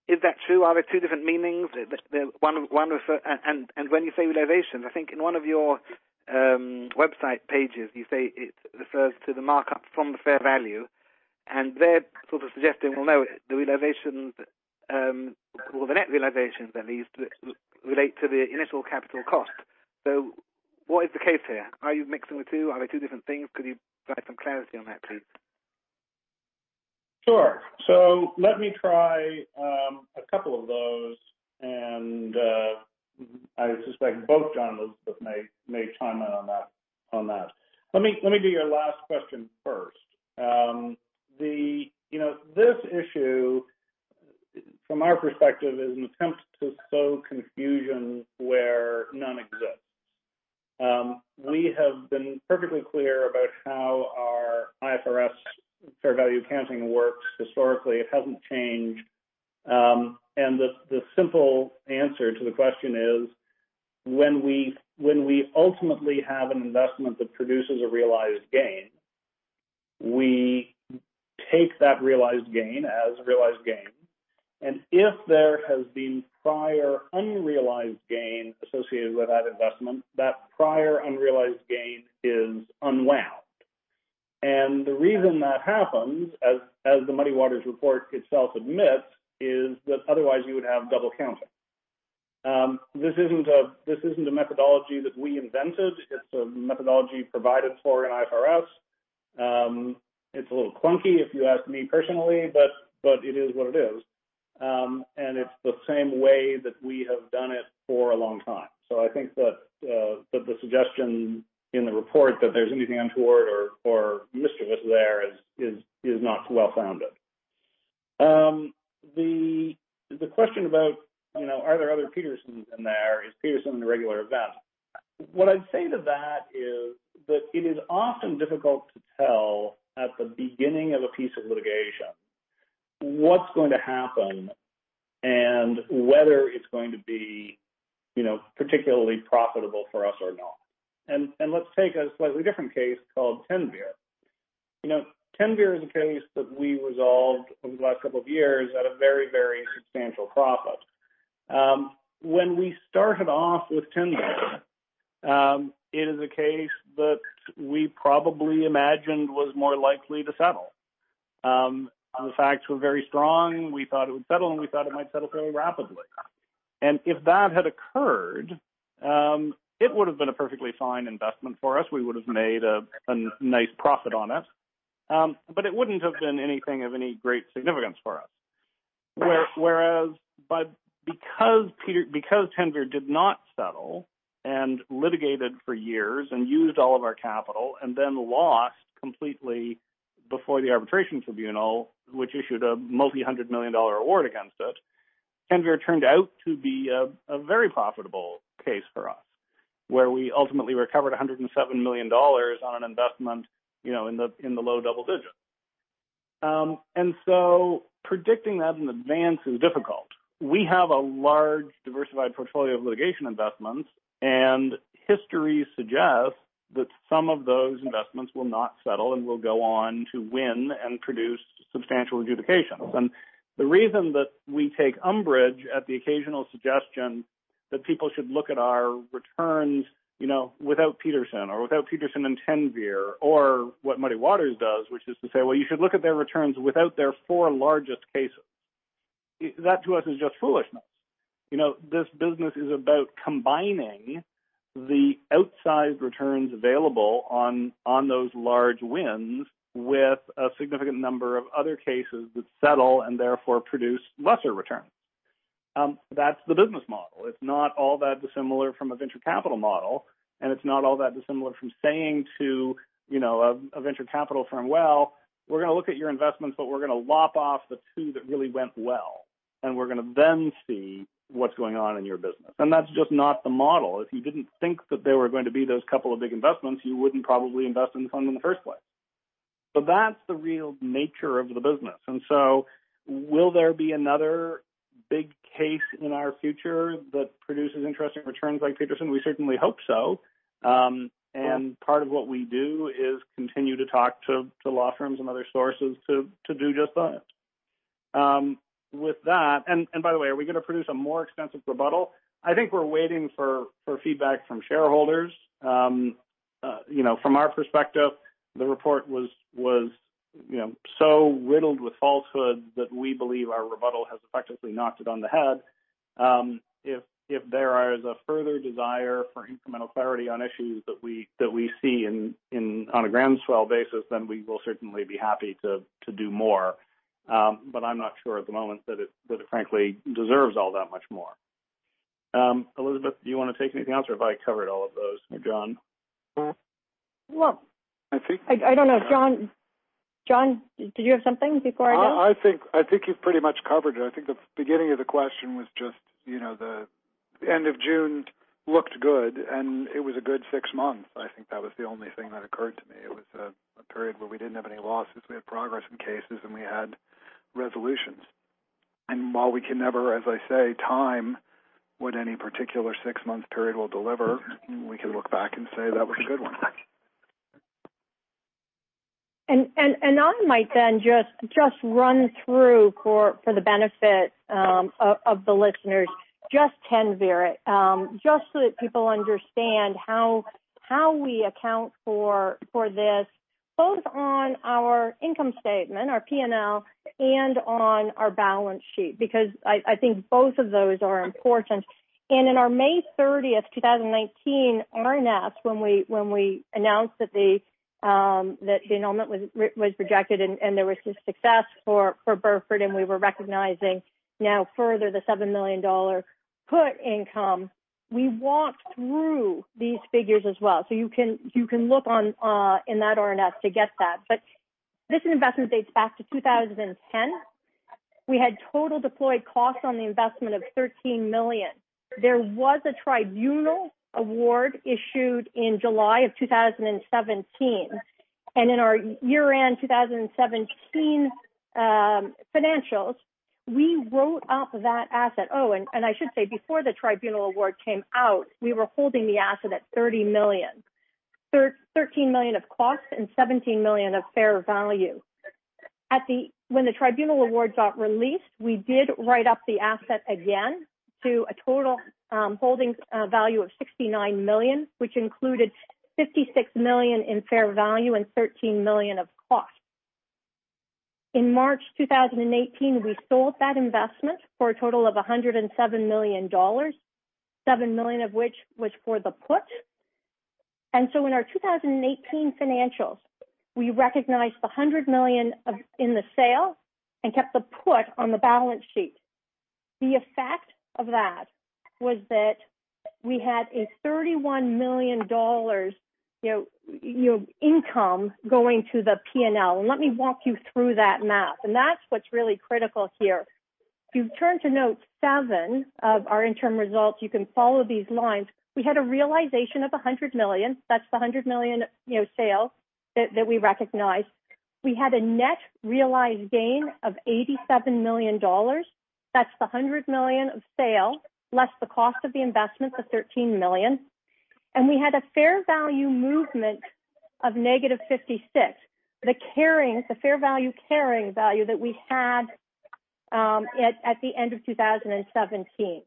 Is that true? Are there two different meanings? When you say realizations, I think in one of your website pages, you say it refers to the markup from the fair value, and they're sort of suggesting, well, no, the net realizations, at least, relate to the initial capital cost. What is the case here? Are you mixing the two? Are they two different things? Could you provide some clarity on that, please? Sure. Let me try a couple of those and, I suspect both Jonathan Molot and Elizabeth may chime in on that. Let me do your last question first. This issue, from our perspective, is an attempt to sow confusion where none exists. We have been perfectly clear about how our IFRS fair value accounting works historically. It hasn't changed. The simple answer to the question is, when we ultimately have an investment that produces a realized gain, we take that realized gain as a realized gain. If there has been prior unrealized gain associated with that investment, that prior unrealized gain is unwound. The reason that happens, as the Muddy Waters report itself admits, is that otherwise you would have double counting. This isn't a methodology that we invented. It's a methodology provided for in IFRS. It's a little clunky if you ask me personally, but it is what it is. It's the same way that we have done it for a long time. I think that the suggestion in the report that there's anything untoward or mischievous there is not well-founded. The question about are there other Petersens in there? Is Petersen the regular event? What I'd say to that is that it is often difficult to tell at the beginning of a piece of litigation what's going to happen and whether it's going to be particularly profitable for us or not. Let's take a slightly different case called Teinver. Teinver is a case that we resolved over the last couple of years at a very, very substantial profit. When we started off with Teinver, it is a case that we probably imagined was more likely to settle. The facts were very strong. We thought it would settle, and we thought it might settle fairly rapidly. If that had occurred, it would have been a perfectly fine investment for us. We would have made a nice profit on it. It wouldn't have been anything of any great significance for us. Because Teinver did not settle and litigated for years and used all of our capital and then lost completely before the arbitration tribunal, which issued a multi-hundred million dollar award against it, Teinver turned out to be a very profitable case for us, where we ultimately recovered $107 million on an investment in the low double digits. Predicting that in advance is difficult. We have a large diversified portfolio of litigation investments, and history suggests that some of those investments will not settle and will go on to win and produce substantial adjudications. The reason that we take umbrage at the occasional suggestion that people should look at our returns without Petersen or without Petersen and Teinver, or what Muddy Waters does, which is to say, "Well, you should look at their returns without their four largest cases." That to us is just foolishness. This business is about combining the outsized returns available on those large wins with a significant number of other cases that settle and therefore produce lesser returns. That's the business model. It's not all that dissimilar from a venture capital model, and it's not all that dissimilar from saying to a venture capital firm, "Well, we're going to look at your investments, but we're going to lop off the two that really went well, and we're going to then see what's going on in your business." That's just not the model. If you didn't think that there were going to be those couple of big investments, you wouldn't probably invest in the fund in the first place. That's the real nature of the business. Will there be another big case in our future that produces interesting returns like Petersen? We certainly hope so. Part of what we do is continue to talk to law firms and other sources to do just that. With that, and by the way, are we going to produce a more extensive rebuttal? I think we're waiting for feedback from shareholders. From our perspective, the report was so riddled with falsehoods that we believe our rebuttal has effectively knocked it on the head. If there is a further desire for incremental clarity on issues that we see on a groundswell basis, then we will certainly be happy to do more. I'm not sure at the moment that it frankly deserves all that much more. Elizabeth, do you want to take anything else, or have I covered all of those? John? Well- I think- I don't know. John, did you have something before I go? I think you've pretty much covered it. I think the beginning of the question was just the end of June looked good, and it was a good six months. I think that was the only thing that occurred to me. It was a period where we didn't have any losses. We had progress in cases, and we had resolutions. While we can never, as I say, time what any particular six-month period will deliver, we can look back and say that was a good one. I might then just run through for the benefit of the listeners, just Teinver, just so that people understand how we account for this, both on our income statement, our P&L, and on our balance sheet, because I think both of those are important. In our May 30, 2019 RNS, when we announced that the enrollment was rejected and there was this success for Burford, and we were recognizing now further the $7 million put income, we walked through these figures as well. You can look in that RNS to get that. This investment dates back to 2010. We had total deployed costs on the investment of $13 million. There was a tribunal award issued in July 2017, and in our year-end 2017 financials, we wrote up that asset. I should say, before the tribunal award came out, we were holding the asset at $30 million. $13 million of costs and $17 million of fair value. When the tribunal awards got released, we did write up the asset again to a total holdings value of $69 million, which included $56 million in fair value and $13 million of cost. In March 2018, we sold that investment for a total of $107 million, $7 million of which was for the put. In our 2018 financials, we recognized the $100 million in the sale and kept the put on the balance sheet. The effect of that was that we had a $31 million income going to the P&L. Let me walk you through that math, and that's what's really critical here. If you turn to note seven of our interim results, you can follow these lines. We had a realization of $100 million. That's the $100 million sale that we recognized. We had a net realized gain of $87 million. That's the $100 million of sale, less the cost of the investment of $13 million. We had a fair value movement of -$56 million, the fair value carrying value that we had at the end of 2017.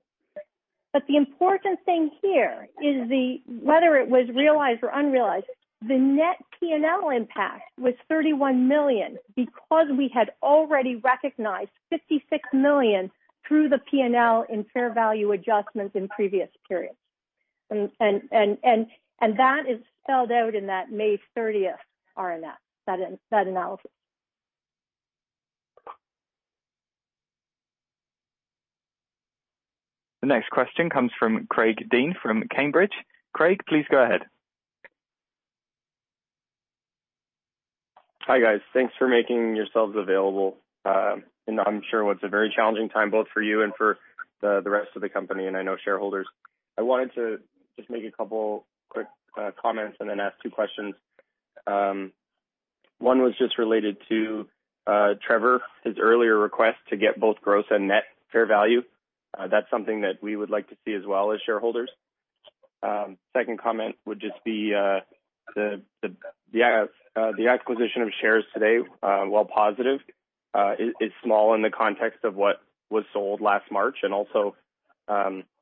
The important thing here is whether it was realized or unrealized, the net P&L impact was $31 million because we had already recognized $56 million through the P&L in fair value adjustments in previous periods. That is spelled out in that May 30th RNS, that analysis. The next question comes from Craig Dean from Cambridge. Craig, please go ahead. Hi, guys. Thanks for making yourselves available in I'm sure what's a very challenging time, both for you and for the rest of the company, and I know shareholders. I wanted to just make a couple quick comments and then ask two questions. One was just related to Trevor, his earlier request to get both gross and net fair value. That's something that we would like to see as well as shareholders. Second comment would just be the acquisition of shares today, while positive, is small in the context of what was sold last March, and also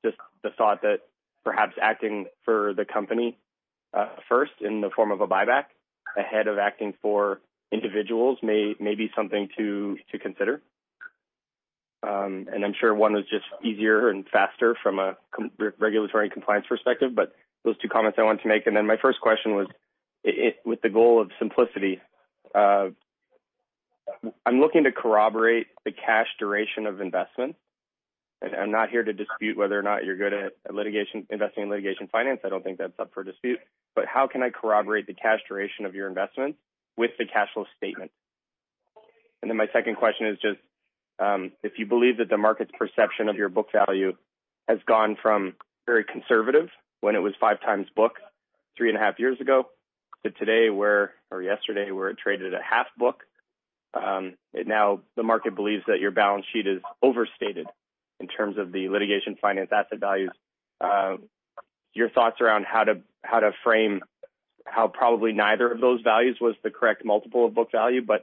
just the thought that perhaps acting for the company first in the form of a buyback ahead of acting for individuals may be something to consider. I'm sure one is just easier and faster from a regulatory compliance perspective. Those two comments I wanted to make. My first question was with the goal of simplicity. I'm looking to corroborate the cash duration of investment. I'm not here to dispute whether or not you're good at investing in litigation finance. I don't think that's up for dispute. How can I corroborate the cash duration of your investment with the cash flow statement? My second question is just if you believe that the market's perception of your book value has gone from very conservative when it was five times book three and a half years ago, to today or yesterday, where it traded at half book. Now the market believes that your balance sheet is overstated in terms of the litigation finance asset values. Your thoughts around how to frame how probably neither of those values was the correct multiple of book value, but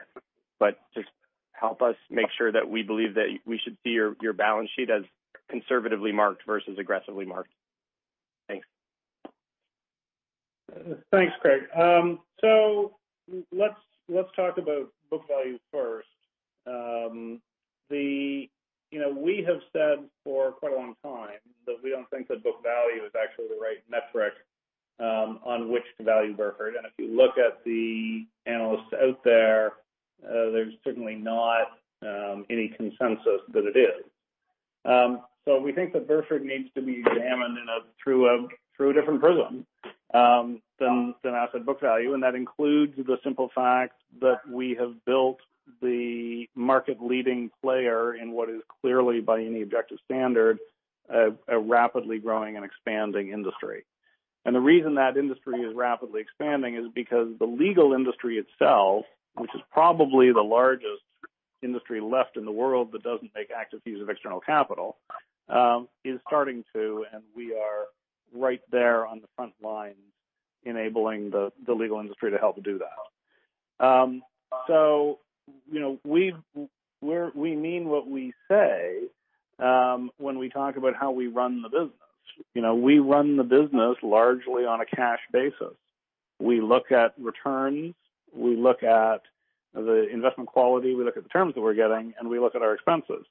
just help us make sure that we believe that we should see your balance sheet as conservatively marked versus aggressively marked. Thanks. Thanks, Craig. Let's talk about book value first. The We have said for quite a long time that we don't think that book value is actually the right metric on which to value Burford. If you look at the analysts out there's certainly not any consensus that it is. We think that Burford needs to be examined through a different prism than asset book value, and that includes the simple fact that we have built the market leading player in what is clearly, by any objective standard, a rapidly growing and expanding industry. The reason that industry is rapidly expanding is because the legal industry itself, which is probably the largest industry left in the world that doesn't make active use of external capital, is starting to, and we are right there on the front lines enabling the legal industry to help do that. We mean what we say when we talk about how we run the business. We run the business largely on a cash basis. We look at returns, we look at the investment quality, we look at the terms that we're getting, and we look at our expenses.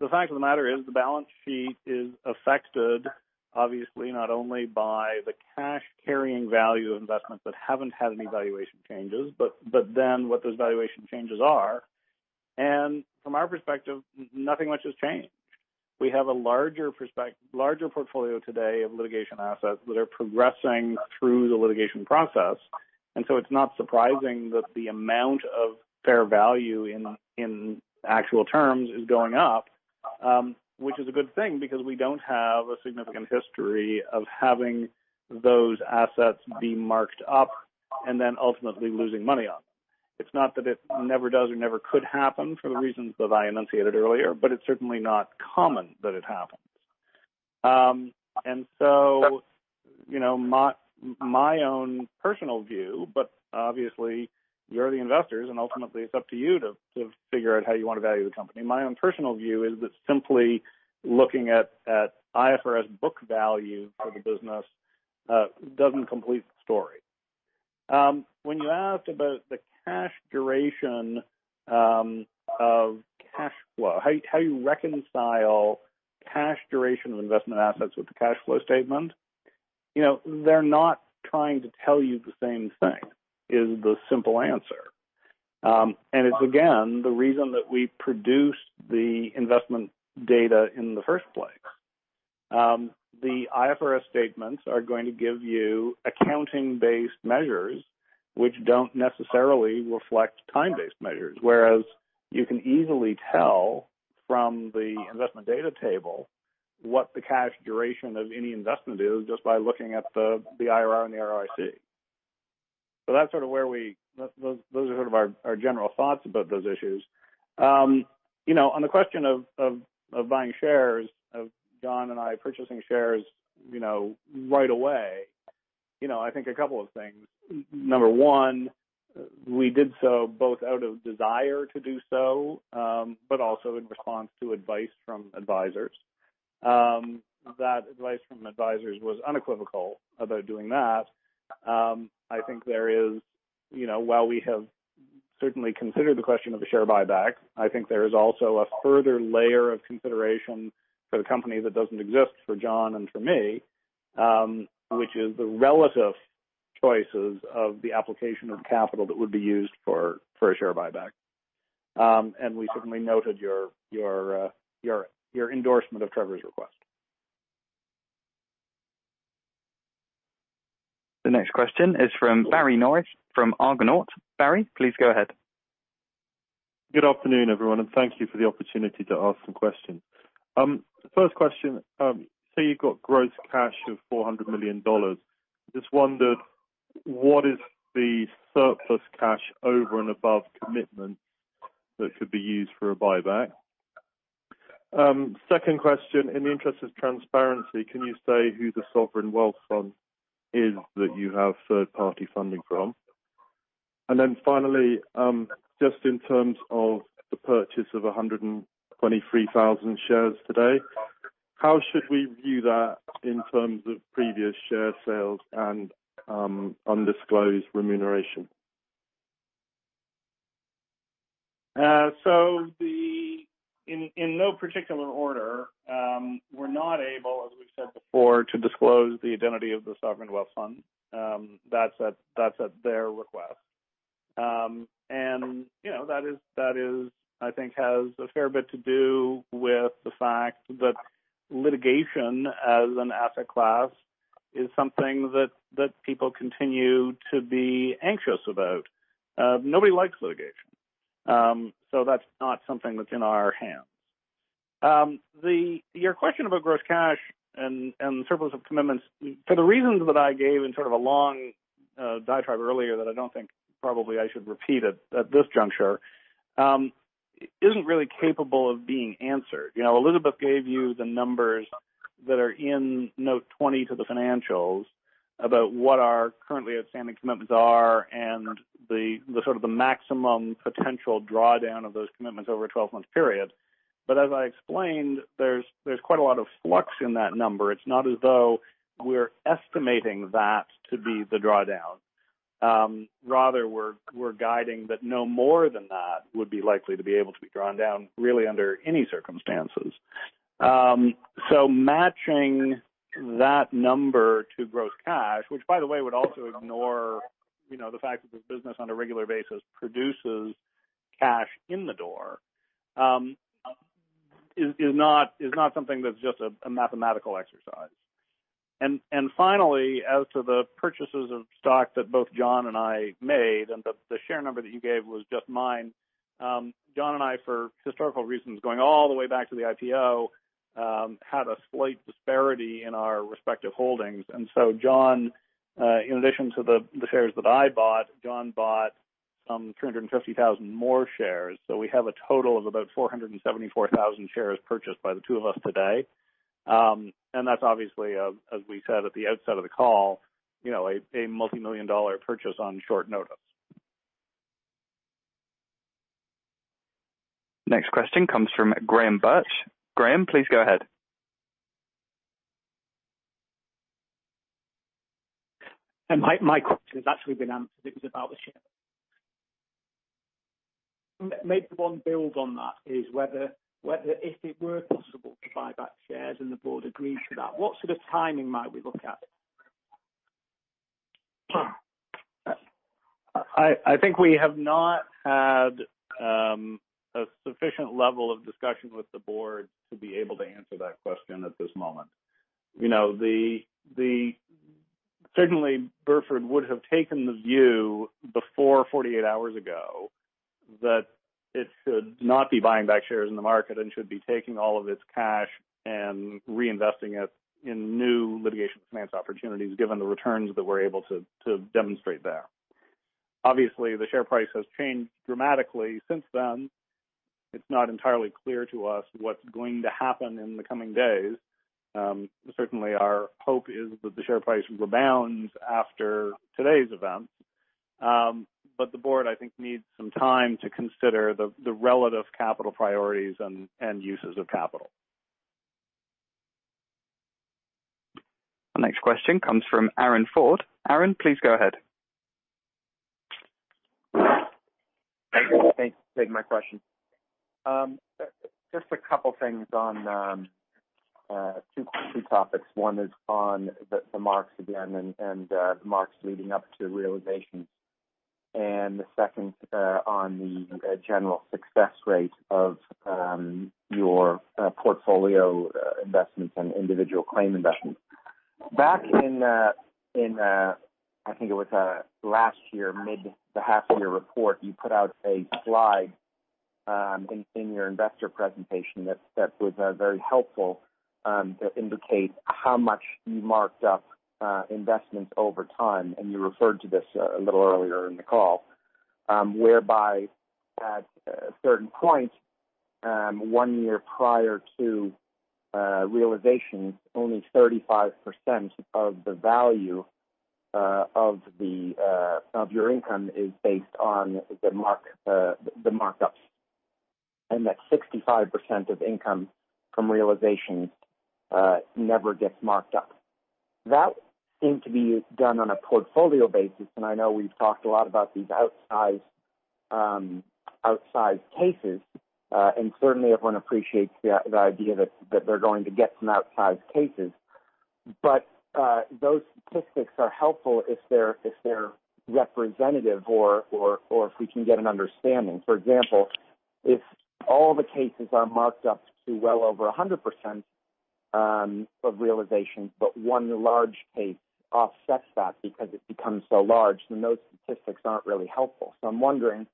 The fact of the matter is the balance sheet is affected, obviously, not only by the cash carrying value of investments that haven't had any valuation changes, but then what those valuation changes are. From our perspective, nothing much has changed. We have a larger portfolio today of litigation assets that are progressing through the litigation process, and so it's not surprising that the amount of fair value in actual terms is going up, which is a good thing because we don't have a significant history of having those assets be marked up and then ultimately losing money on them. It's not that it never does or never could happen for the reasons that I enunciated earlier, but it's certainly not common that it happens. My own personal view, but obviously you're the investors and ultimately it's up to you to figure out how you want to value the company. My own personal view is that simply looking at IFRS book value for the business doesn't complete the story. When you asked about the cash duration of cash flow, how you reconcile cash duration of investment assets with the cash flow statement. They're not trying to tell you the same thing, is the simple answer. It's again, the reason that we produced the investment data in the first place. The IFRS statements are going to give you accounting based measures which don't necessarily reflect time-based measures, whereas you can easily tell from the investment data table what the cash duration of any investment is just by looking at the IRR and the ROIC. Those are sort of our general thoughts about those issues. On the question of buying shares, of John and I purchasing shares right away, I think a couple of things. Number one, we did so both out of desire to do so, but also in response to advice from advisors. That advice from advisors was unequivocal about doing that. I think there is, while we have certainly considered the question of a share buyback, I think there is also a further layer of consideration for the company that doesn't exist for John and for me, which is the relative choices of the application of capital that would be used for a share buyback. We certainly noted your endorsement of Trevor's request. The next question is from Barry Norris from Argonaut. Barry, please go ahead. Good afternoon, everyone, and thank you for the opportunity to ask some questions. First question. Say you've got gross cash of $400 million. Just wondered what is the surplus cash over and above commitment that could be used for a buyback? Second question, in the interest of transparency, can you say who the Sovereign Wealth Fund is that you have third party funding from? Finally, just in terms of the purchase of 123,000 shares today, how should we view that in terms of previous share sales and undisclosed remuneration? In no particular order, we're not able, as we've said before, to disclose the identity of the Sovereign Wealth Fund. That's at their request. That I think has a fair bit to do with the fact that litigation as an asset class is something that people continue to be anxious about. Nobody likes litigation. That's not something that's in our hands. Your question about gross cash and surplus of commitments, for the reasons that I gave in sort of a long diatribe earlier that I don't think probably I should repeat at this juncture, isn't really capable of being answered. Elizabeth gave you the numbers that are in note 20 to the financials about what our currently outstanding commitments are and the sort of the maximum potential drawdown of those commitments over a 12-month period. As I explained, there's quite a lot of flux in that number. It's not as though we're estimating that to be the drawdown. Rather, we're guiding that no more than that would be likely to be able to be drawn down really under any circumstances. Matching that number to gross cash, which by the way, would also ignore the fact that the business on a regular basis produces cash in the door, is not something that's just a mathematical exercise. Finally, as to the purchases of stock that both John and I made, and the share number that you gave was just mine. John and I, for historical reasons, going all the way back to the IPO, had a slight disparity in our respective holdings. John, in addition to the shares that I bought, John bought some 350,000 more shares. We have a total of about 474,000 shares purchased by the two of us today. That's obviously, as we said at the outset of the call, a multimillion dollar purchase on short notice. Next question comes from Graham Birch. Graham, please go ahead. My question has actually been answered. It was about the share. Maybe one build on that is whether if it were possible to buy back shares and the Board agreed to that, what sort of timing might we look at? I think we have not had a sufficient level of discussion with the board to be able to answer that question at this moment. Certainly, Burford would have taken the view before 48 hours ago that it should not be buying back shares in the market and should be taking all of its cash and reinvesting it in new litigation finance opportunities, given the returns that we're able to demonstrate there. Obviously, the share price has changed dramatically since then. It's not entirely clear to us what's going to happen in the coming days. Certainly, our hope is that the share price rebounds after today's events. The board, I think, needs some time to consider the relative capital priorities and uses of capital. The next question comes from Aaron Ford. Aaron, please go ahead. Thanks for taking my question. Just a couple things on two topics. One is on the marks again, and the marks leading up to realization, and the second on the general success rate of your portfolio investments and individual claim investments. Back in, I think it was last year, mid the half year report, you put out a slide in your investor presentation that was very helpful to indicate how much you marked up investments over time. You referred to this a little earlier in the call, whereby at a certain point, one year prior to realization, only 35% of the value of your income is based on the markups, and that 65% of income from realization never gets marked up. That seemed to be done on a portfolio basis. I know we've talked a lot about these outsized cases, and certainly everyone appreciates the idea that they're going to get some outsized cases. Those statistics are helpful if they're representative or if we can get an understanding. For example, if all the cases are marked up to well over 100% of realization, but one large case offsets that because it becomes so large, then those statistics aren't really helpful. I'm wondering,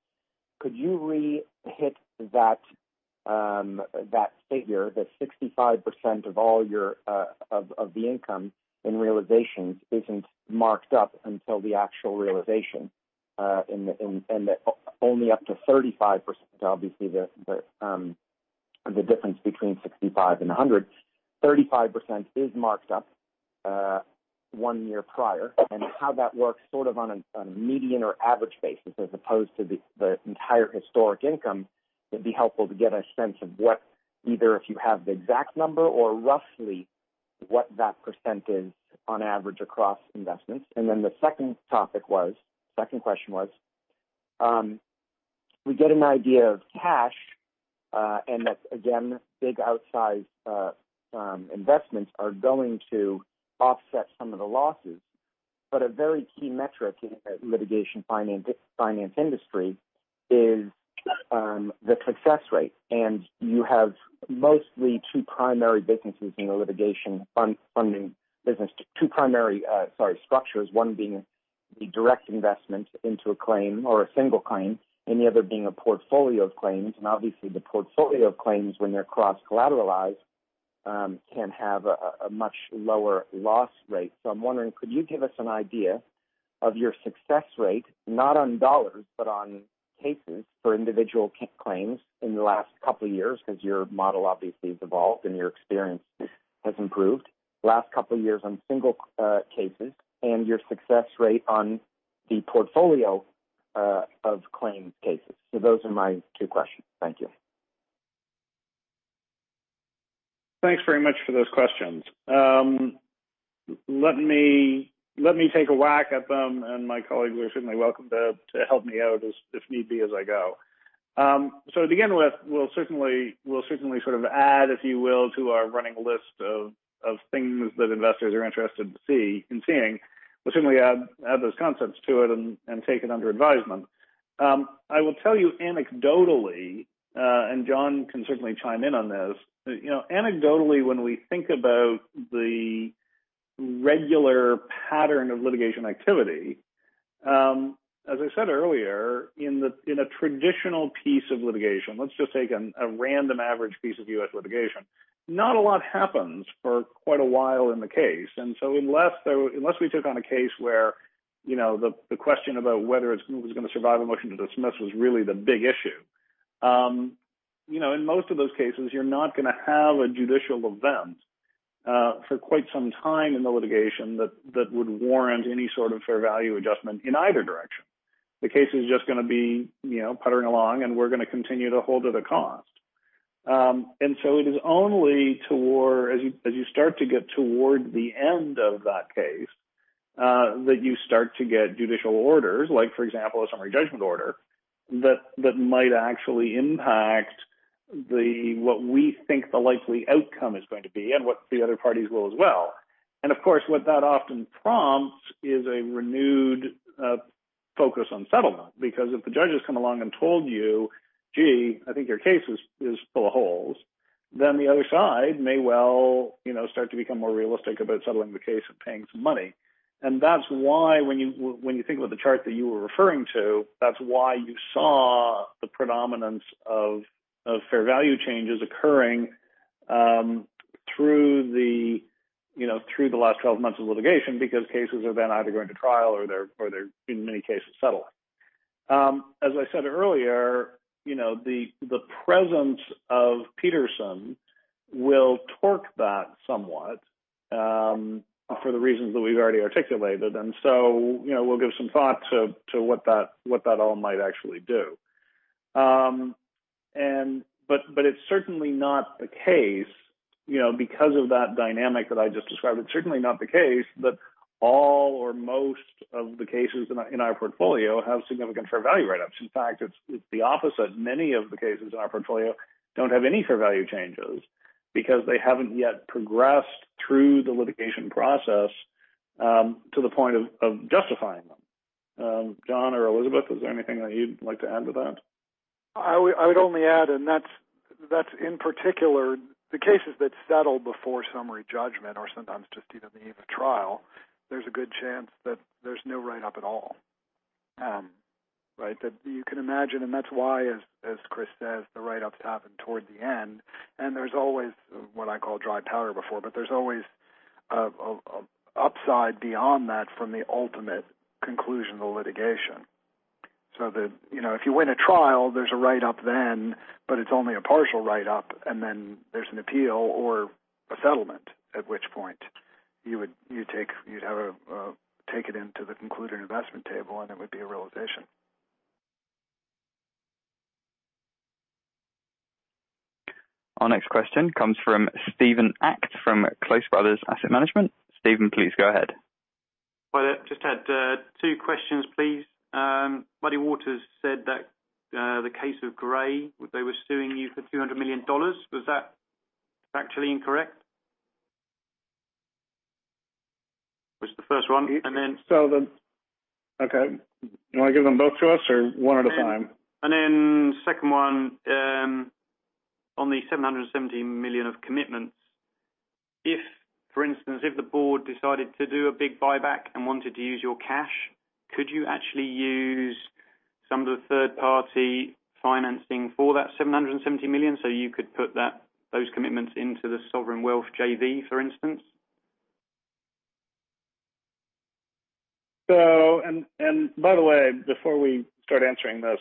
could you re-hit that figure, that 65% of the income in realizations isn't marked up until the actual realization, and that only up to 35%, obviously the difference between 65 and 100, 35% is marked up one year prior. How that works sort of on a median or average basis as opposed to the entire historic income, it'd be helpful to get a sense of what, either if you have the exact number or roughly what that % is on average across investments. The second question was, we get an idea of cash, and that, again, big outsized investments are going to offset some of the losses. A very key metric in the litigation finance industry is the success rate. You have mostly two primary businesses in a litigation funding business. Two primary structures, one being the direct investment into a claim or a single claim, and the other being a portfolio of claims. Obviously the portfolio of claims when they're cross-collateralized can have a much lower loss rate. I'm wondering, could you give us an idea of your success rate, not on dollars, but on cases for individual claims in the last couple of years? Your model obviously has evolved and your experience has improved. Last couple of years on single cases and your success rate on the portfolio of claims cases? Those are my two questions. Thank you. Thanks very much for those questions. Let me take a whack at them, and my colleagues are certainly welcome to help me out if need be as I go. To begin with, we'll certainly add, if you will, to our running list of things that investors are interested in seeing. We'll certainly add those concepts to it and take it under advisement. I will tell you anecdotally, and John can certainly chime in on this. Anecdotally, when we think about the regular pattern of litigation activity, as I said earlier, in a traditional piece of litigation, let's just take a random average piece of U.S. litigation. Not a lot happens for quite a while in the case unless we took on a case where the question about whether it was going to survive a motion to dismiss was really the big issue. In most of those cases, you're not going to have a judicial event for quite some time in the litigation that would warrant any sort of fair value adjustment in either direction. The case is just going to be puttering along, and we're going to continue to hold at a cost. So it is only as you start to get toward the end of that case, that you start to get judicial orders, like for example, a summary judgment order, that might actually impact what we think the likely outcome is going to be and what the other parties will as well. Of course, what that often prompts is a renewed focus on settlement. Because if the judges come along and told you, "Gee, I think your case is full of holes," then the other side may well start to become more realistic about settling the case and paying some money. That's why when you think about the chart that you were referring to, that's why you saw the predominance of fair value changes occurring through the last 12 months of litigation because cases are then either going to trial or they're in many cases settling. As I said earlier, the presence of Petersen will torque that somewhat, for the reasons that we've already articulated. We'll give some thought to what that all might actually do. It's certainly not the case, because of that dynamic that I just described, it's certainly not the case that all or most of the cases in our portfolio have significant fair value write-ups. In fact, it's the opposite. Many of the cases in our portfolio don't have any fair value changes because they haven't yet progressed through the litigation process, to the point of justifying them. John or Elizabeth, is there anything that you'd like to add to that? I would only add, that's in particular, the cases that settle before summary judgment or sometimes just even the eve of trial. There's a good chance that there's no write-up at all. You can imagine, that's why, as Chris says, the write-ups happen toward the end. There's always what I call dry powder before, there's always upside beyond that from the ultimate conclusion of the litigation. If you win a trial, there's a write-up then, it's only a partial write-up, then there's an appeal or a settlement, at which point you'd have take it into the concluding investment table, it would be a realization. Our next question comes from Steven Act from Close Brothers Asset Management. Steven, please go ahead. Just had two questions, please. Muddy Waters said that the case of Gray, they were suing you for $200 million. Was that factually incorrect? Was the first one. Okay. You want to give them both to us or one at a time? Second one, on the $770 million of commitments. If, for instance, if the board decided to do a big buyback and wanted to use your cash, could you actually use some of the third-party financing for that $770 million so you could put those commitments into the Sovereign Wealth JV, for instance? By the way, before we start answering this,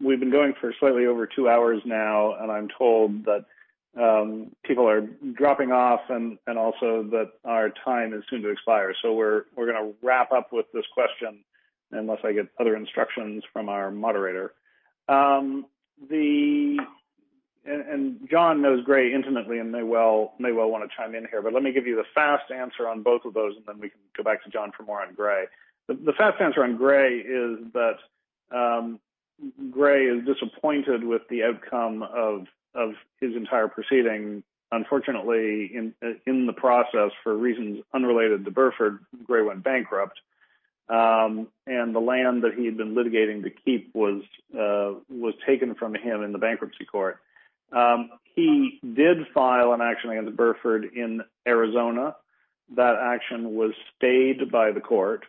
we've been going for slightly over 2 hours now, and I'm told that people are dropping off and also that our time is soon to expire. We're going to wrap up with this question unless I get other instructions from our moderator. John knows Gray intimately and may well want to chime in here. Let me give you the fast answer on both of those, and then we can go back to John for more on Gray. The fast answer on Gray is that Gray is disappointed with the outcome of his entire proceeding. Unfortunately, in the process, for reasons unrelated to Burford, Gray went bankrupt. The land that he had been litigating to keep was taken from him in the bankruptcy court. He did file an action against Burford in Arizona. That action was stayed by the court,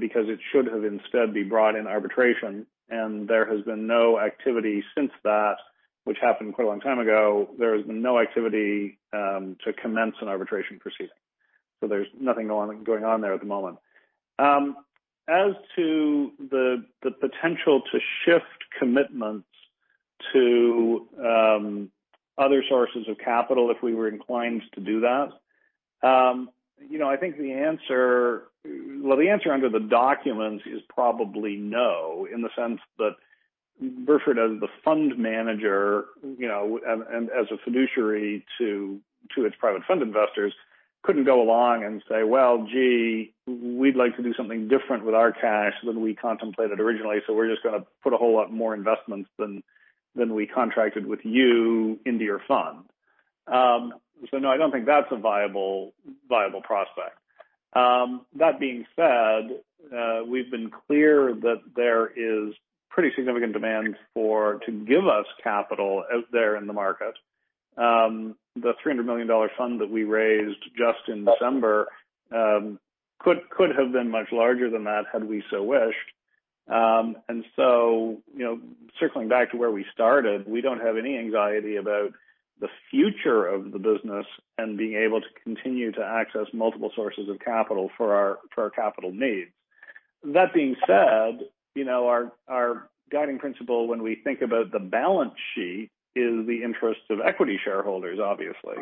because it should have instead been brought in arbitration, and there has been no activity since that, which happened quite a long time ago. There has been no activity, to commence an arbitration proceeding. There's nothing going on there at the moment. As to the potential to shift commitments to other sources of capital, if we were inclined to do that I think the answer under the documents is probably no, in the sense that Burford, as the fund manager, and as a fiduciary to its private fund investors, couldn't go along and say, "Well, gee, we'd like to do something different with our cash than we contemplated originally, so we're just going to put a whole lot more investments than we contracted with you into your fund." No, I don't think that's a viable prospect. That being said, we've been clear that there is pretty significant demand to give us capital out there in the market. The $300 million fund that we raised just in December could have been much larger than that had we so wished. Circling back to where we started, we don't have any anxiety about the future of the business and being able to continue to access multiple sources of capital for our capital needs. That being said, our guiding principle when we think about the balance sheet is the interest of equity shareholders, obviously.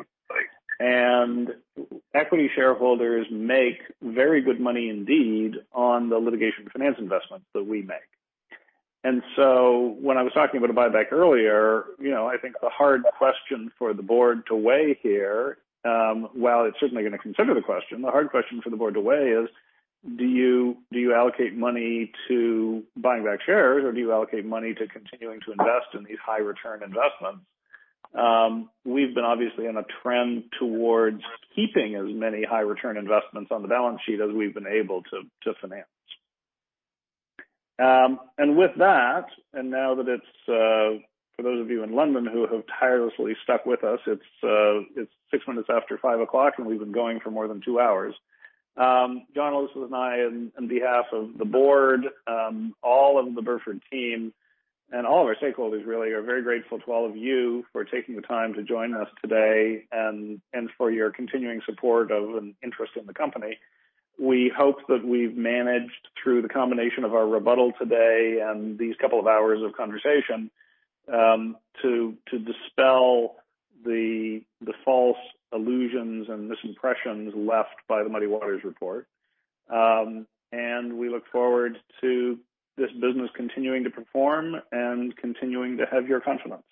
Equity shareholders make very good money indeed on the litigation finance investments that we make. When I was talking about a buyback earlier, I think the hard question for the board to weigh here, while it's certainly going to consider the question, the hard question for the board to weigh is, do you allocate money to buying back shares, or do you allocate money to continuing to invest in these high return investments? We've been obviously on a trend towards keeping as many high return investments on the balance sheet as we've been able to finance. With that, and now that it's, for those of you in London who have tirelessly stuck with us, it's six minutes after 5:00, and we've been going for more than two hours. Jon Molot and I, on behalf of the board, all of the Burford team, and all of our stakeholders really, are very grateful to all of you for taking the time to join us today and for your continuing support of and interest in the company. We hope that we've managed, through the combination of our rebuttal today and these couple of hours of conversation, to dispel the false illusions and misimpressions left by the Muddy Waters report. We look forward to this business continuing to perform and continuing to have your confidence.